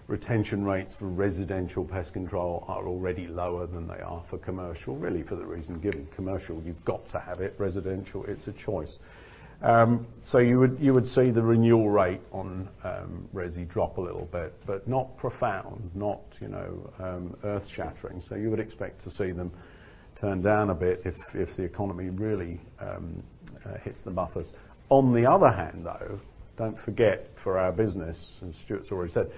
retention rates for residential pest control are already lower than they are for commercial, really for the reason given. Commercial, you've got to have it. Residential, it's a choice. You would see the renewal rate on resi drop a little bit, but not profound, you know, earth-shattering. You would expect to see them turn down a bit if the economy really hits the buffers. On the other hand, though, don't forget, for our business, as Stuart's already said,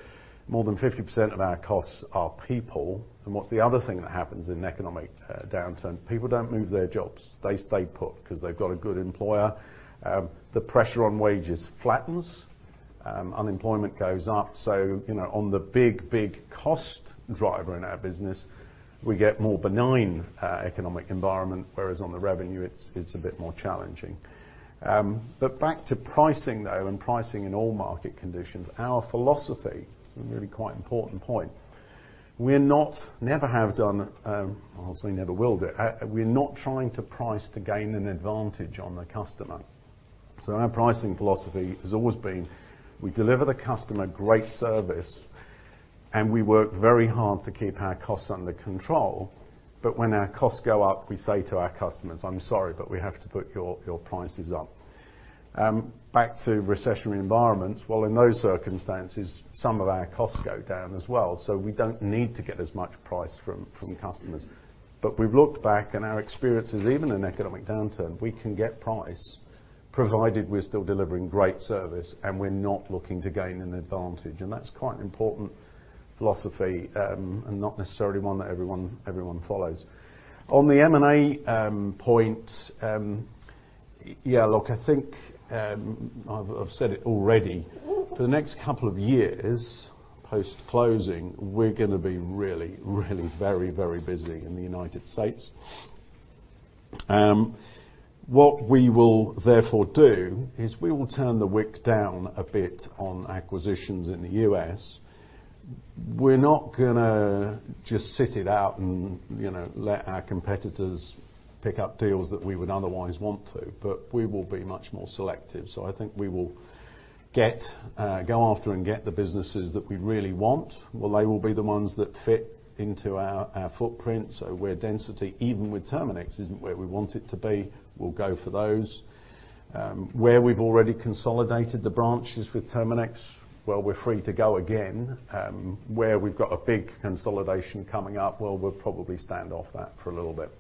more than 50% of our costs are people. What's the other thing that happens in economic downturn? People don't move their jobs. They stay put because they've got a good employer. The pressure on wages flattens. Unemployment goes up. You know, on the big cost driver in our business, we get more benign economic environment, whereas on the revenue, it's a bit more challenging. Back to pricing, though, and pricing in all market conditions. Our philosophy, a really quite important point, obviously never will do. We're not trying to price to gain an advantage on the customer. Our pricing philosophy has always been, we deliver the customer great service, and we work very hard to keep our costs under control. When our costs go up, we say to our customers, "I'm sorry, but we have to put your prices up." Back to recessionary environments. Well, in those circumstances, some of our costs go down as well, so we don't need to get as much price from customers. We've looked back, and our experience is even in economic downturn, we can get price provided we're still delivering great service and we're not looking to gain an advantage. That's quite an important philosophy, and not necessarily one that everyone follows. On the M&A point, yeah, look, I think I've said it already. For the next couple of years, post-closing, we're gonna be really very busy in the United States. What we will therefore do is we will turn the wick down a bit on acquisitions in the US. We're not gonna just sit it out and, you know, let our competitors pick up deals that we would otherwise want to, but we will be much more selective. I think we will go after and get the businesses that we really want. Well, they will be the ones that fit into our footprint. Where density, even with Terminix, isn't where we want it to be, we'll go for those. Where we've already consolidated the branches with Terminix, well, we're free to go again. Where we've got a big consolidation coming up, well, we'll probably stand off that for a little bit.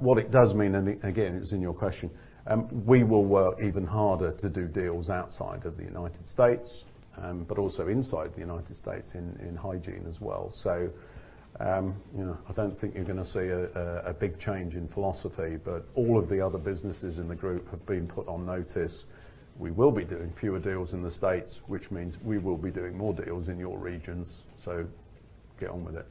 What it does mean, and again, it's in your question, we will work even harder to do deals outside of the United States, but also inside the United States in hygiene as well. You know, I don't think you're gonna see a big change in philosophy. All of the other businesses in the group have been put on notice. We will be doing fewer deals in the States, which means we will be doing more deals in your regions. Get on with it.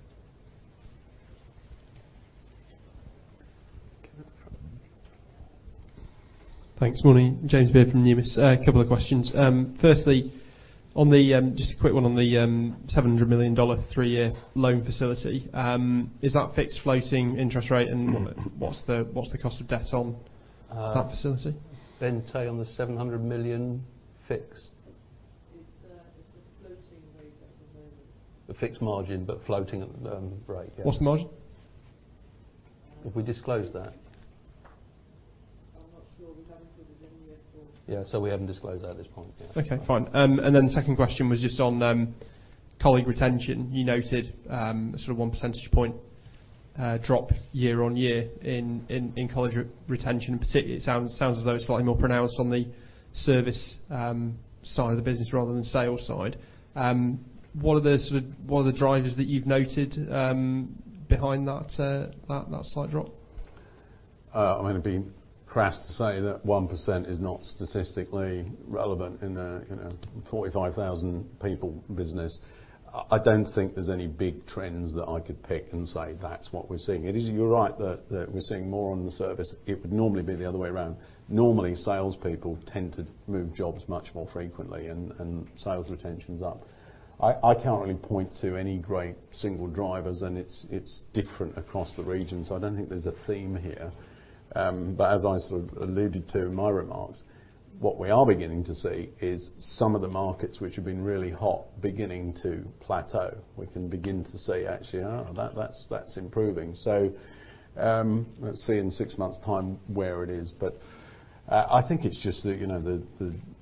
Okay. At the front. Thanks. Morning. James Beard from Numis. A couple of questions. Firstly, on the just a quick one on the $700 million three-year loan facility. Is that fixed or floating interest rate? And what's the cost of debt on that facility? Ben, tell you on the 700 million fixed. It's a floating rate at the moment. A fixed margin, but floating at rate. Yeah. What's the margin? Have we disclosed that? I'm not sure. We haven't put it in yet, no. Yeah. We haven't disclosed that at this point yet. Okay, fine. Second question was just on colleague retention. You noted sort of one percentage point drop year-on-year in colleague retention. In particular, it sounds as though it's slightly more pronounced on the service side of the business rather than sales side. What are the drivers that you've noted behind that slight drop? I'm gonna be crass to say that 1% is not statistically relevant in a, you know, 45,000 people business. I don't think there's any big trends that I could pick and say, "That's what we're seeing." It is. You're right that we're seeing more on the service. It would normally be the other way around. Normally, salespeople tend to move jobs much more frequently and sales retention's up. I can't really point to any great single drivers, and it's different across the region, so I don't think there's a theme here. As I sort of alluded to in my remarks, what we are beginning to see is some of the markets which have been really hot beginning to plateau. We can begin to see actually that that's improving. Let's see in six months' time where it is. I think it's just the,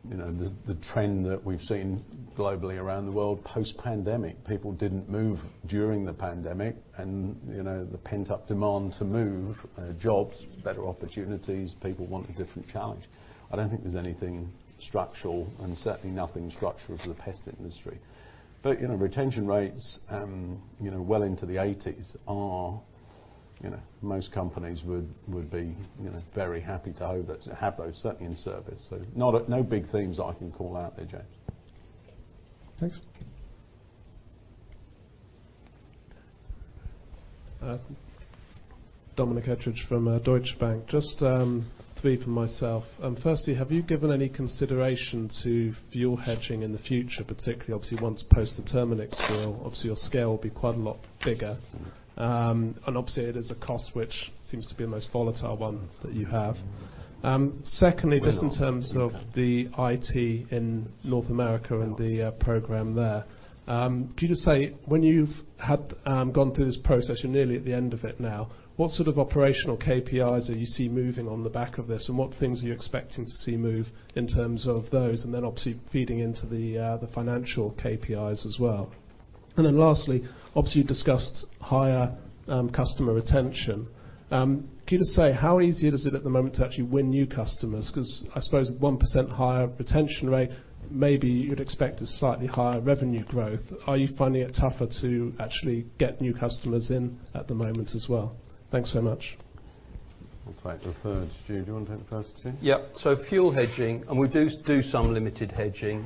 you know, the trend that we've seen globally around the world post-pandemic. People didn't move during the pandemic and, you know, the pent-up demand to move, jobs, better opportunities, people want a different challenge. I don't think there's anything structural and certainly nothing structural to the pest industry. You know, retention rates, you know, well into the 80s% are, you know, most companies would be, you know, very happy to have that, to have those certainly in service. Not a, no big themes I can call out there, James. Thanks. Dominic Edridge from Deutsche Bank. Just three from myself. Firstly, have you given any consideration to fuel hedging in the future, particularly obviously once post the Terminix deal? Obviously, your scale will be quite a lot bigger. Obviously, it is a cost which seems to be the most volatile one that you have. Secondly- We're not. Just in terms of the IT in North America and the program there, could you just say when you've gone through this process, you're nearly at the end of it now, what sort of operational KPIs are you seeing moving on the back of this, and what things are you expecting to see move in terms of those? Obviously feeding into the financial KPIs as well. Lastly, obviously you've discussed higher customer retention. Could you just say how easy it is at the moment to actually win new customers? 'Cause I suppose 1% higher retention rate, maybe you'd expect a slightly higher revenue growth. Are you finding it tougher to actually get new customers in at the moment as well? Thanks so much. I'll take the third. Stu, do you wanna take the first two? Yep. Fuel hedging, and we do some limited hedging,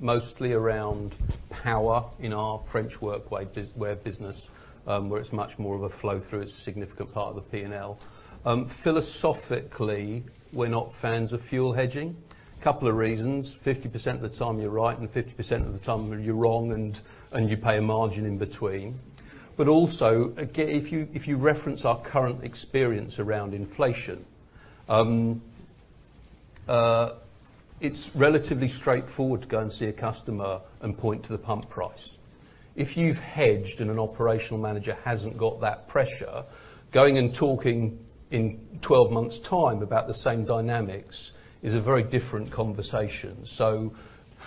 mostly around power in our France Workwear business, where it's much more of a flow through. It's a significant part of the P&L. Philosophically, we're not fans of fuel hedging. Couple of reasons. 50% of the time you're right and 50% of the time you're wrong, and you pay a margin in between. But also if you reference our current experience around inflation, it's relatively straightforward to go and see a customer and point to the pump price. If you've hedged and an operational manager hasn't got that pressure, going and talking in twelve months' time about the same dynamics is a very different conversation.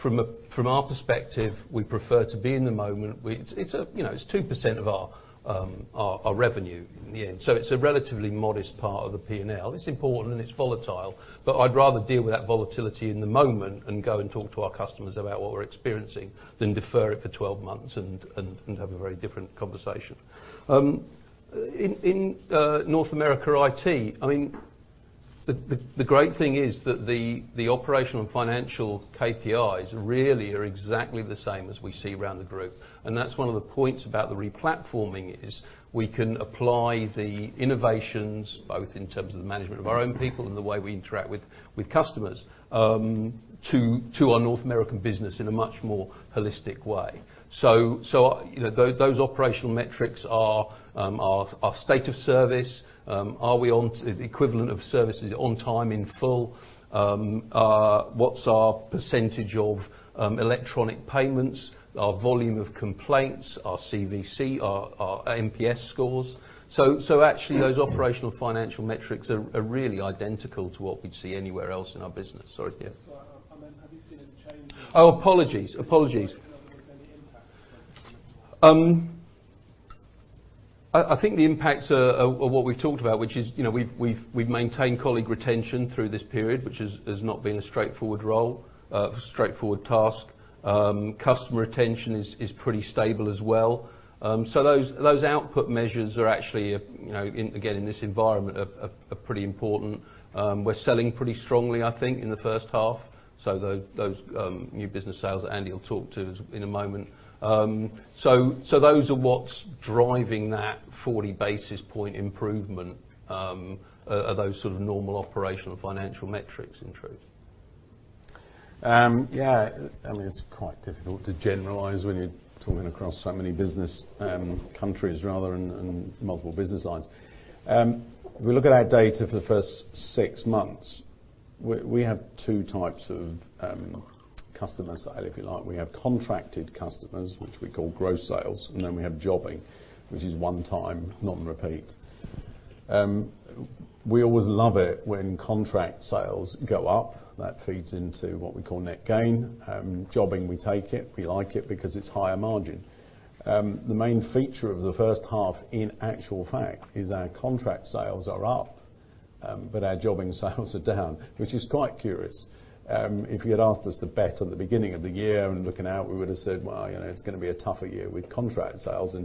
From our perspective, we prefer to be in the moment. It's a, you know, it's 2% of our revenue in the end, so it's a relatively modest part of the P&L. It's important and it's volatile, but I'd rather deal with that volatility in the moment and go and talk to our customers about what we're experiencing than defer it for 12 months and have a very different conversation. In North America IT, I mean, the great thing is that the operational and financial KPIs really are exactly the same as we see around the group. That's one of the points about the replatforming, is we can apply the innovations, both in terms of the management of our own people and the way we interact with customers, to our North American business in a much more holistic way. You know, those operational metrics are state of service, equivalent of services on time in full? What's our percentage of electronic payments, our volume of complaints, our CVC, our NPS scores? Actually those operational financial metrics are really identical to what we'd see anywhere else in our business. Sorry. Yeah. Have you seen any changes? Oh, apologies. Apologies. I was wondering if there was any impact. I think the impacts are what we've talked about, which is, you know, we've maintained colleague retention through this period, which has not been a straightforward task. Customer retention is pretty stable as well. Those output measures are actually, you know, in, again, in this environment are pretty important. We're selling pretty strongly, I think, in the first half, so those new business sales that Andy will talk to us in a moment. Those are what's driving that 40 basis point improvement, are those sort of normal operational financial metrics, in truth. Yeah. I mean, it's quite difficult to generalize when you're talking across so many businesses, countries, and multiple business lines. If we look at our data for the first six months, we have two types of customer sale, if you like. We have contracted customers, which we call gross sales, and then we have jobbing, which is one time, not on repeat. We always love it when contract sales go up. That feeds into what we call net gain. Jobbing, we take it, we like it, because it's higher margin. The main feature of the first half in actual fact is our contract sales are up, but our jobbing sales are down, which is quite curious. If you'd asked us to bet at the beginning of the year and looking out, we would've said, "Well, you know, it's gonna be a tougher year with contract sales."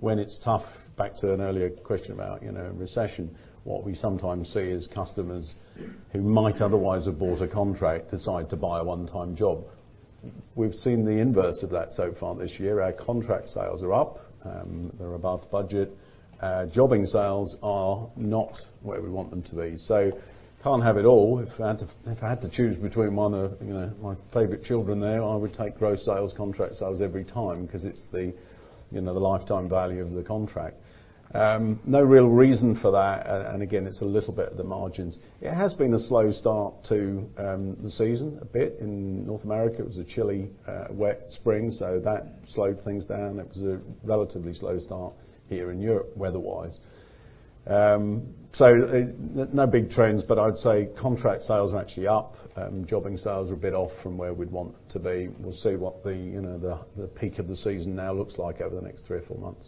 When it's tough, back to an earlier question about, you know, recession, what we sometimes see is customers who might otherwise have bought a contract decide to buy a one-time job. We've seen the inverse of that so far this year. Our contract sales are up, they're above budget. Our jobbing sales are not where we want them to be. Can't have it all. If I had to choose between one of, you know, my favorite children there, I would take gross sales, contract sales every time, 'cause it's the, you know, the lifetime value of the contract. No real reason for that, and again, it's a little bit of the margins. It has been a slow start to the season a bit. In North America it was a chilly, wet spring, so that slowed things down. It was a relatively slow start here in Europe weather-wise. No big trends, but I'd say contract sales are actually up, jobbing sales are a bit off from where we'd want them to be. We'll see what you know the peak of the season now looks like over the next three or four months.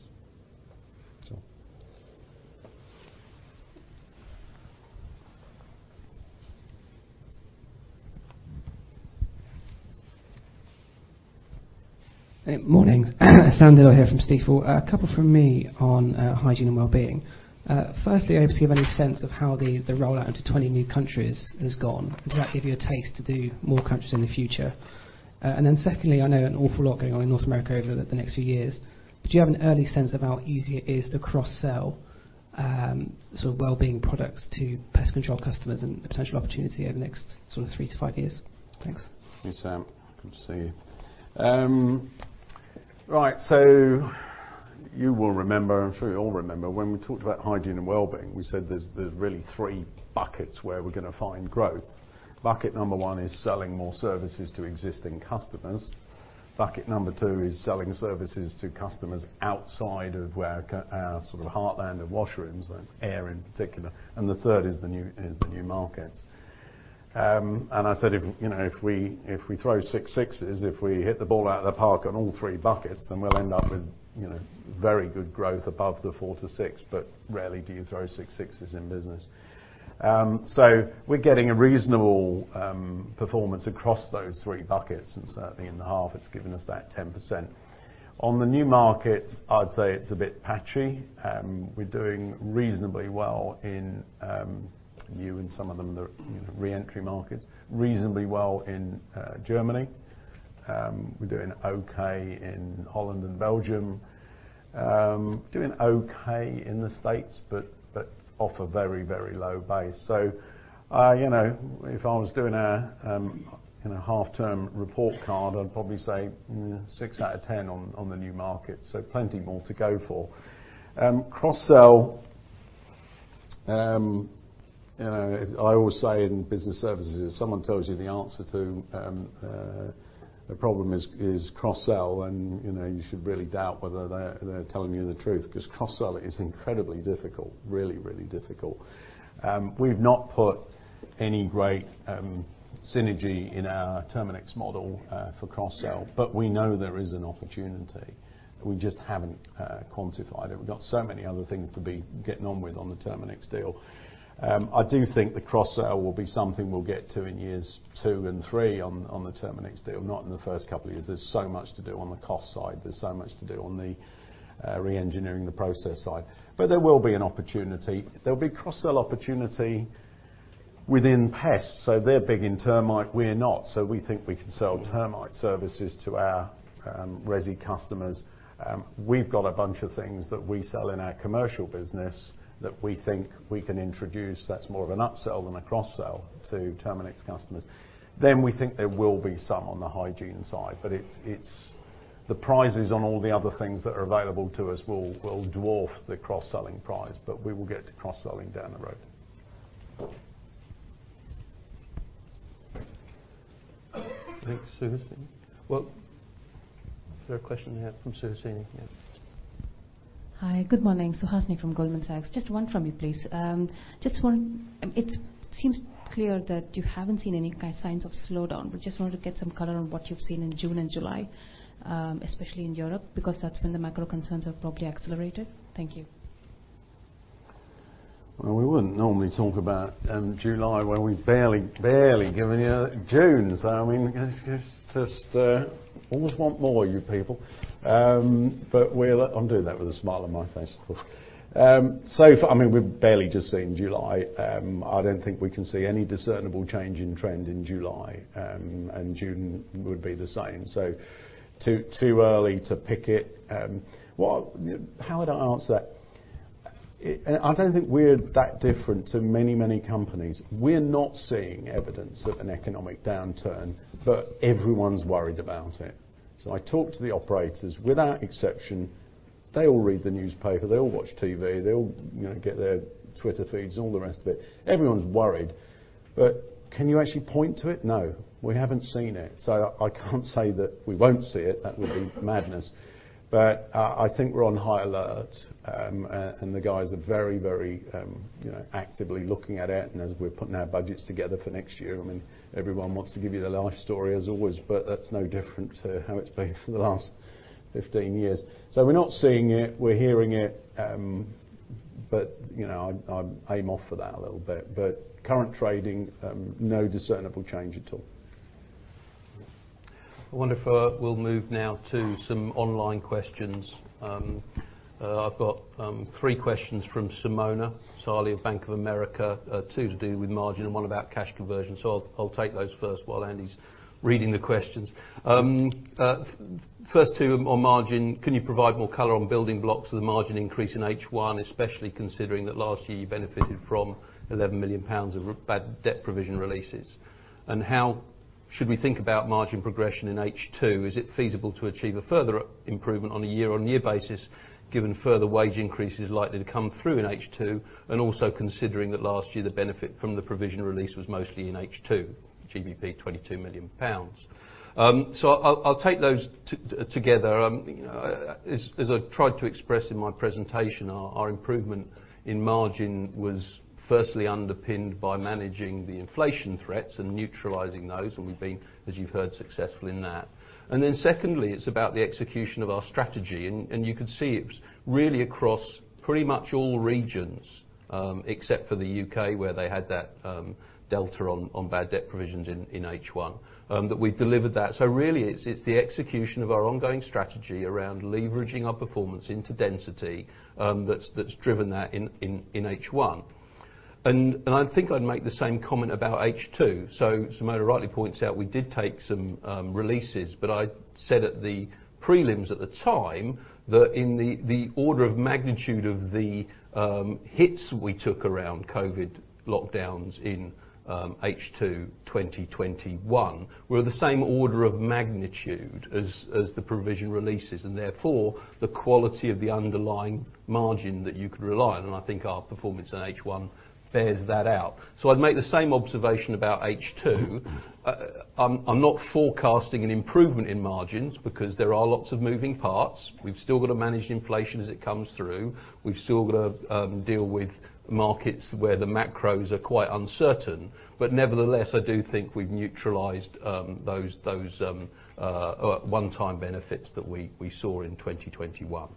Morning. Sam Dindol here from Stifel. A couple from me on Hygiene & Wellbeing. Firstly, are you able to give any sense of how the rollout into 20 new countries has gone? Does that give you a taste to do more countries in the future? Secondly, I know an awful lot going on in North America over the next few years. Do you have an early sense of how easy it is to cross-sell sort of Wellbeing products to Pest Control customers and the potential opportunity over the next sort of 3-5 years? Thanks. Hey, Sam. Good to see you. Right, so you will remember, I'm sure you'll all remember, when we talked about Hygiene and Wellbeing, we said there's really three buckets where we're gonna find growth. Bucket number one is selling more services to existing customers. Bucket number two is selling services to customers outside of our sort of heartland of washrooms, and air in particular. The third is the new markets. I said if you know, if we throw six sixes, if we hit the ball out of the park on all three buckets, then we'll end up with you know, very good growth above the 4%-6%, but rarely do you throw six sixes in business. We're getting a reasonable performance across those three buckets, and certainly in the half it's given us that 10%. On the new markets, I'd say it's a bit patchy. We're doing reasonably well in new and some of the re-entry markets. Reasonably well in Germany. We're doing okay in Holland and Belgium. Doing okay in the States, but off a very, very low base. You know, if I was doing a half-term report card, I'd probably say six out of 10 on the new markets, so plenty more to go for. Cross-sell, you know, I always say in business services, if someone tells you the answer to a problem is cross-sell, then you know, you should really doubt whether they're telling you the truth, because cross-sell is incredibly difficult. Really, really difficult. We've not put any great synergy in our Terminix model for cross-sell. Yeah We know there is an opportunity. We just haven't quantified it. We've got so many other things to be getting on with on the Terminix deal. I do think the cross-sell will be something we'll get to in years 2 and 3 on the Terminix deal, not in the first couple of years. There's so much to do on the cost side. There's so much to do on the reengineering the process side. There will be an opportunity. There'll be cross-sell opportunity within pest. They're big in termite, we're not, so we think we can sell termite services to our resi customers. We've got a bunch of things that we sell in our commercial business that we think we can introduce, that's more of an upsell than a cross-sell, to Terminix customers. We think there will be some on the hygiene side, but it's the prizes on all the other things that are available to us will dwarf the cross-selling prize. We will get to cross-selling down the road. I think Suhasini. Well, is there a question here from Suhasini? Yeah. Hi, good morning. Suhasini from Goldman Sachs. Just one from me, please. It seems clear that you haven't seen any signs of slowdown. Just wanted to get some color on what you've seen in June and July, especially in Europe, because that's when the macro concerns have probably accelerated. Thank you. Well, we wouldn't normally talk about July when we've barely given you June. I mean, it's just always want more, you people. But we'll, I'm doing that with a smile on my face. I mean, we've barely just seen July. I don't think we can see any discernible change in trend in July, and June would be the same. Too early to pick it. What? How would I answer that? I don't think we're that different to many companies. We're not seeing evidence of an economic downturn, but everyone's worried about it. I talk to the operators, without exception. They all read the newspaper, they all watch TV, they all, you know, get their Twitter feeds and all the rest of it. Everyone's worried. But can you actually point to it? No, we haven't seen it. I can't say that we won't see it. That would be madness. I think we're on high alert and the guys are very you know actively looking at it. As we're putting our budgets together for next year, I mean, everyone wants to give you their life story as always, but that's no different to how it's been for the last 15 years. We're not seeing it, we're hearing it. You know, I'm off for that a little bit, but current trading, no discernible change at all. I wonder if we'll move now to some online questions. I've got three questions from Simona Sarli of Bank of America, two to do with margin and one about cash conversion. I'll take those first while Andy's reading the questions. First two on margin, can you provide more color on building blocks of the margin increase in H1, especially considering that last year you benefited from 11 million pounds of bad debt provision releases? How should we think about margin progression in H2? Is it feasible to achieve a further improvement on a year-on-year basis, given further wage increases likely to come through in H2, and also considering that last year, the benefit from the provision release was mostly in H2, GBP 22 million. I'll take those together. As I've tried to express in my presentation, our improvement in margin was firstly underpinned by managing the inflation threats and neutralizing those, and we've been, as you've heard, successful in that. Secondly, it's about the execution of our strategy. You can see it's really across pretty much all regions, except for the UK, where they had that delta on bad debt provisions in H1, that we've delivered that. Really, it's the execution of our ongoing strategy around leveraging our performance into density, that's driven that in H1. I think I'd make the same comment about H2. Simona rightly points out we did take some releases, but I said at the prelims at the time that in the order of magnitude of the hits we took around COVID lockdowns in H2 2021 were the same order of magnitude as the provision releases, and therefore the quality of the underlying margin that you could rely on. I think our performance in H1 bears that out. I'd make the same observation about H2. I'm not forecasting an improvement in margins because there are lots of moving parts. We've still got to manage inflation as it comes through. We've still got to deal with markets where the macros are quite uncertain. Nevertheless, I do think we've neutralized those one-time benefits that we saw in 2021.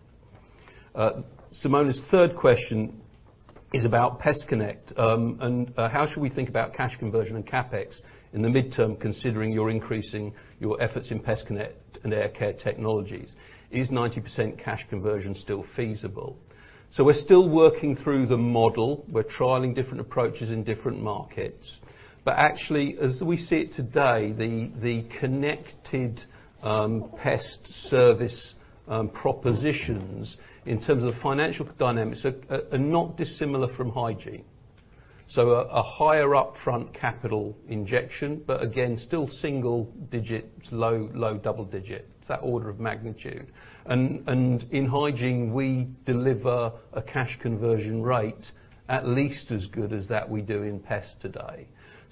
Simona's third question is about PestConnect. How should we think about cash conversion and CapEx in the midterm, considering you're increasing your efforts in PestConnect and air care technologies? Is 90% cash conversion still feasible? We're still working through the model. We're trialing different approaches in different markets. Actually, as we see it today, the connected pest service propositions in terms of the financial dynamics are not dissimilar from hygiene. A higher upfront capital injection, but again, still single digit, low double digit. It's that order of magnitude. In hygiene, we deliver a cash conversion rate at least as good as that we do in pest today.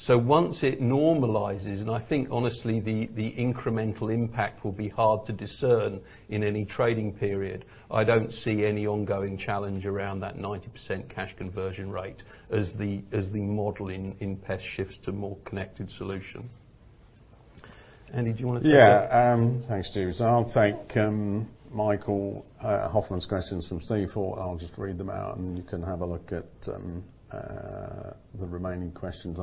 Once it normalizes, and I think honestly the incremental impact will be hard to discern in any trading period, I don't see any ongoing challenge around that 90% cash conversion rate as the model in pest shifts to more connected solution. Andy, do you want to take that? Yeah. Thanks, James. I'll take Michael Hoffman's questions from Steve, or I'll just read them out, and you can have a look at the remaining questions.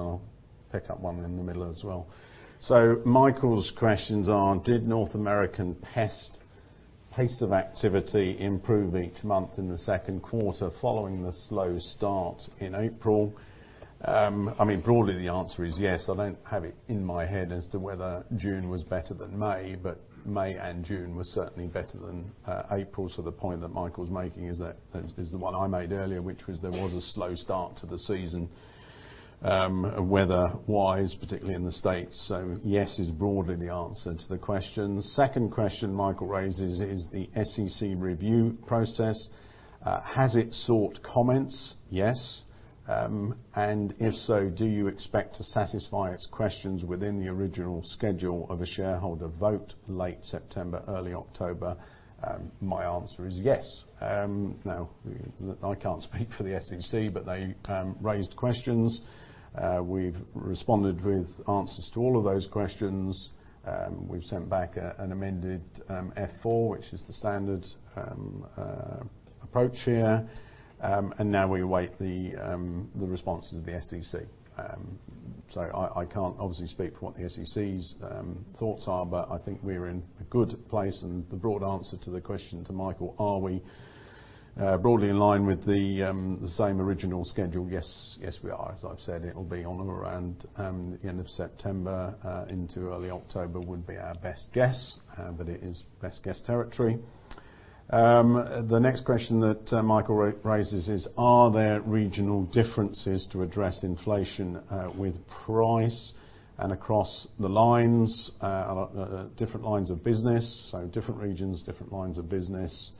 I'll pick up one in the middle as well. Michael's questions are, did North American pest pace of activity improve each month in the second quarter following the slow start in April? I mean, broadly, the answer is yes. I don't have it in my head as to whether June was better than May, but May and June were certainly better than April. The point that Michael's making is the one I made earlier, which was there was a slow start to the season, weather-wise, particularly in the States. Yes is broadly the answer to the question. The second question Michael raises is the SEC review process. Has it sought comments? Yes. If so, do you expect to satisfy its questions within the original schedule of a shareholder vote late September, early October? My answer is yes. Now I can't speak for the SEC, but they raised questions. We've responded with answers to all of those questions. We've sent back an amended Form F-4, which is the standard approach here. Now we await the responses of the SEC. I can't obviously speak for what the SEC's thoughts are, but I think we're in a good place and the broad answer to the question to Michael, are we broadly in line with the same original schedule? Yes. Yes, we are. As I've said, it will be on or around the end of September into early October would be our best guess. It is best guess territory. The next question that Michael raises is, are there regional differences to address inflation with price and across different lines of business? Different regions, different lines of business,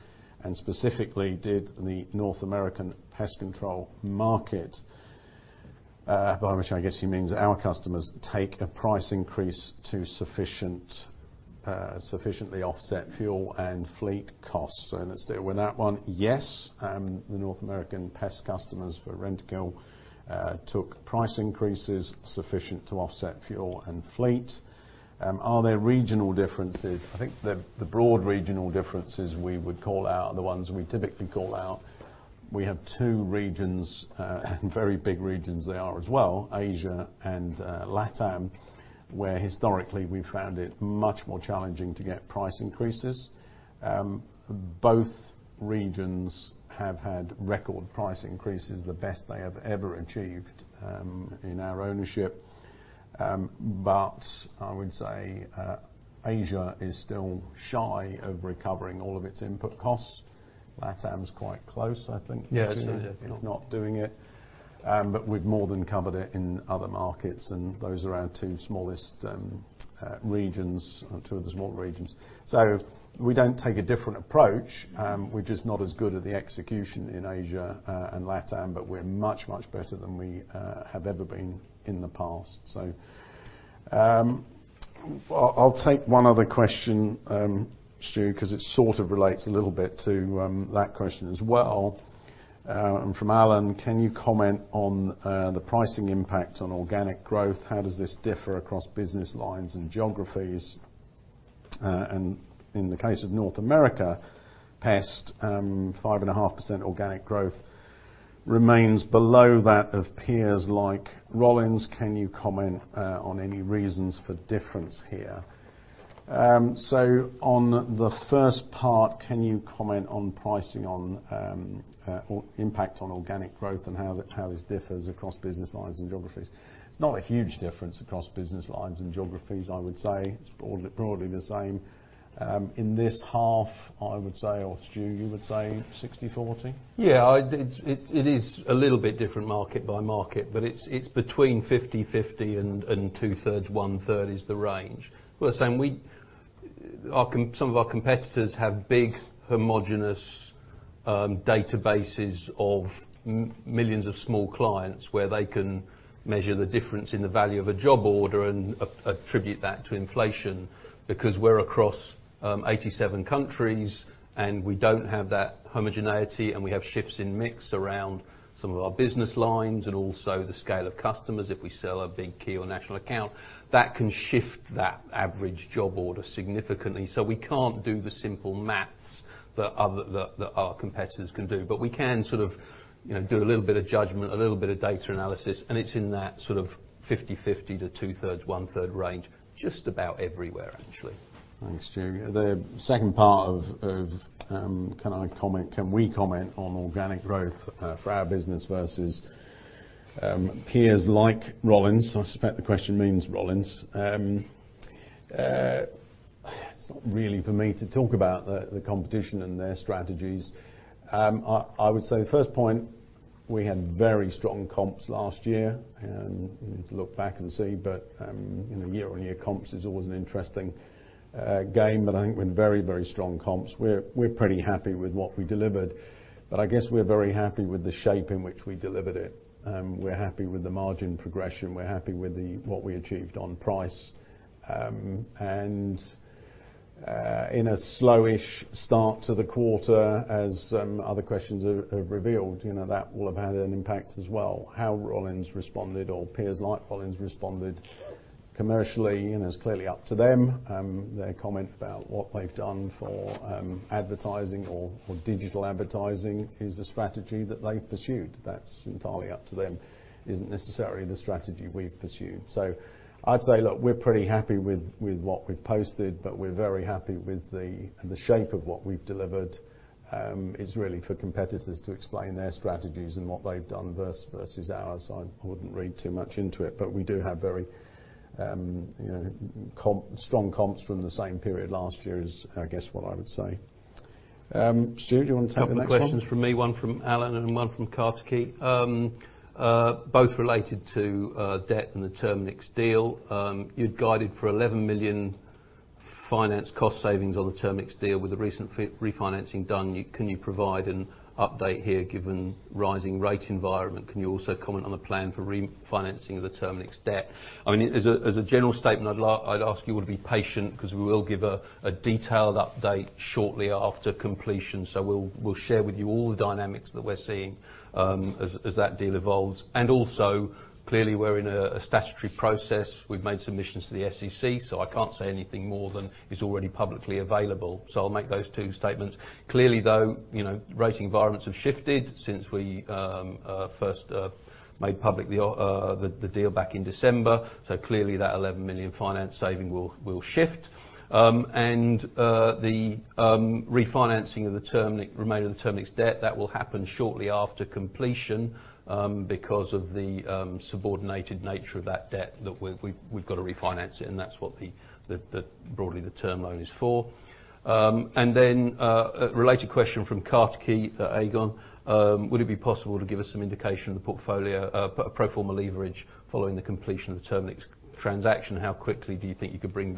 and specifically, did the North American pest control market, by which I guess he means our customers, take a price increase sufficient to offset fuel and fleet costs. Let's deal with that one. Yes. The North American pest customers for Rentokil took price increases sufficient to offset fuel and fleet. Are there regional differences? I think the broad regional differences we would call out are the ones we typically call out. We have two regions, and very big regions they are as well, Asia and Latam, where historically we've found it much more challenging to get price increases. Both regions have had record price increases, the best they have ever achieved, in our ownership. I would say, Asia is still shy of recovering all of its input costs. Latam's quite close, I think. Yes. We've more than covered it in other markets, and those are our two smallest regions, two of the small regions. We don't take a different approach. We're just not as good at the execution in Asia and Latam, but we're much, much better than we have ever been in the past. I'll take one other question, Stu, 'cause it sort of relates a little bit to that question as well. From Alan, "Can you comment on the pricing impact on organic growth? How does this differ across business lines and geographies? And in the case of North America Pest, 5.5% organic growth remains below that of peers like Rollins. Can you comment on any reasons for difference here? On the first part, can you comment on pricing and impact on organic growth and how this differs across business lines and geographies? It's not a huge difference across business lines and geographies, I would say. It's broadly the same. In this half, I would say, or Stuart, you would say 60-40. Yeah. It is a little bit different market by market, but it's between 50/50 and 2/3, 1/3 is the range. We're saying some of our competitors have big homogeneous databases of millions of small clients where they can measure the difference in the value of a job order and attribute that to inflation. Because we're across 87 countries, and we don't have that homogeneity, and we have shifts in mix around some of our business lines and also the scale of customers, if we sell a big key or national account, that can shift that average job order significantly. We can't do the simple math that other competitors can do. We can sort of, you know, do a little bit of judgment, a little bit of data analysis, and it's in that sort of 50/50 to 2/3-1/3 range, just about everywhere, actually. Thanks, Stu. The second part of can we comment on organic growth for our business versus peers like Rollins. I suspect the question means Rollins. It's not really for me to talk about the competition and their strategies. I would say first point, we had very strong comps last year, and you need to look back and see. You know, year-on-year comps is always an interesting game, but I think we had very strong comps. We're pretty happy with what we delivered, but I guess we're very happy with the shape in which we delivered it. We're happy with the margin progression. We're happy with what we achieved on price. In a slowish start to the quarter, as some other questions have revealed, you know, that will have had an impact as well. How Rollins responded or peers like Rollins responded commercially, you know, is clearly up to them. Their comment about what they've done for advertising or digital advertising is a strategy that they pursued. That's entirely up to them. Isn't necessarily the strategy we've pursued. I'd say, look, we're pretty happy with what we've posted, but we're very happy with the shape of what we've delivered. It's really for competitors to explain their strategies and what they've done versus ours. I wouldn't read too much into it. We do have very, you know, strong comps from the same period last year is I guess what I would say. Stu, do you want to take the next one? Couple questions from me, one from Alan and one from Kartikeya, both related to debt and the Terminix deal. You'd guided for 11 million finance cost savings on the Terminix deal. With the recent refinancing done, you can you provide an update here given rising rate environment? Can you also comment on the plan for refinancing the Terminix debt? I mean, as a general statement, I'd ask you all to be patient because we will give a detailed update shortly after completion. We'll share with you all the dynamics that we're seeing, as that deal evolves. Also, clearly, we're in a statutory process. We've made submissions to the SEC, so I can't say anything more than is already publicly available. I'll make those two statements. Clearly, though, you know, rate environments have shifted since we first made public the deal back in December. Clearly that 11 million financing savings will shift. The refinancing of the Terminix remaining Terminix debt, that will happen shortly after completion, because of the subordinated nature of that debt that we've got to refinance it, and that's what the broadly the term loan is for. A related question from Kartikeya at Aegon. Would it be possible to give us some indication of the portfolio pro forma leverage following the completion of the Terminix transaction? How quickly do you think you could bring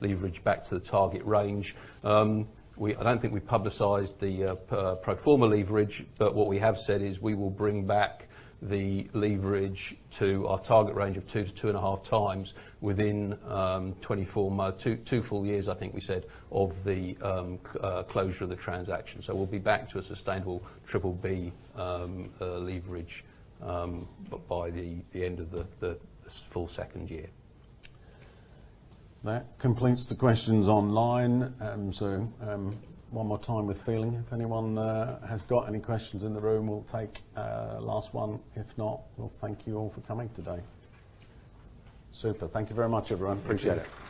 leverage back to the target range? I don't think we publicized the pro forma leverage, but what we have said is we will bring back the leverage to our target range of 2-2.5 times within two full years, I think we said, of the closure of the transaction. We'll be back to a sustainable triple B leverage by the end of the full second year. That completes the questions online. One more time with feeling. If anyone has got any questions in the room, we'll take a last one. If not, well, thank you all for coming today. Super. Thank you very much, everyone. Appreciate it. Thank you.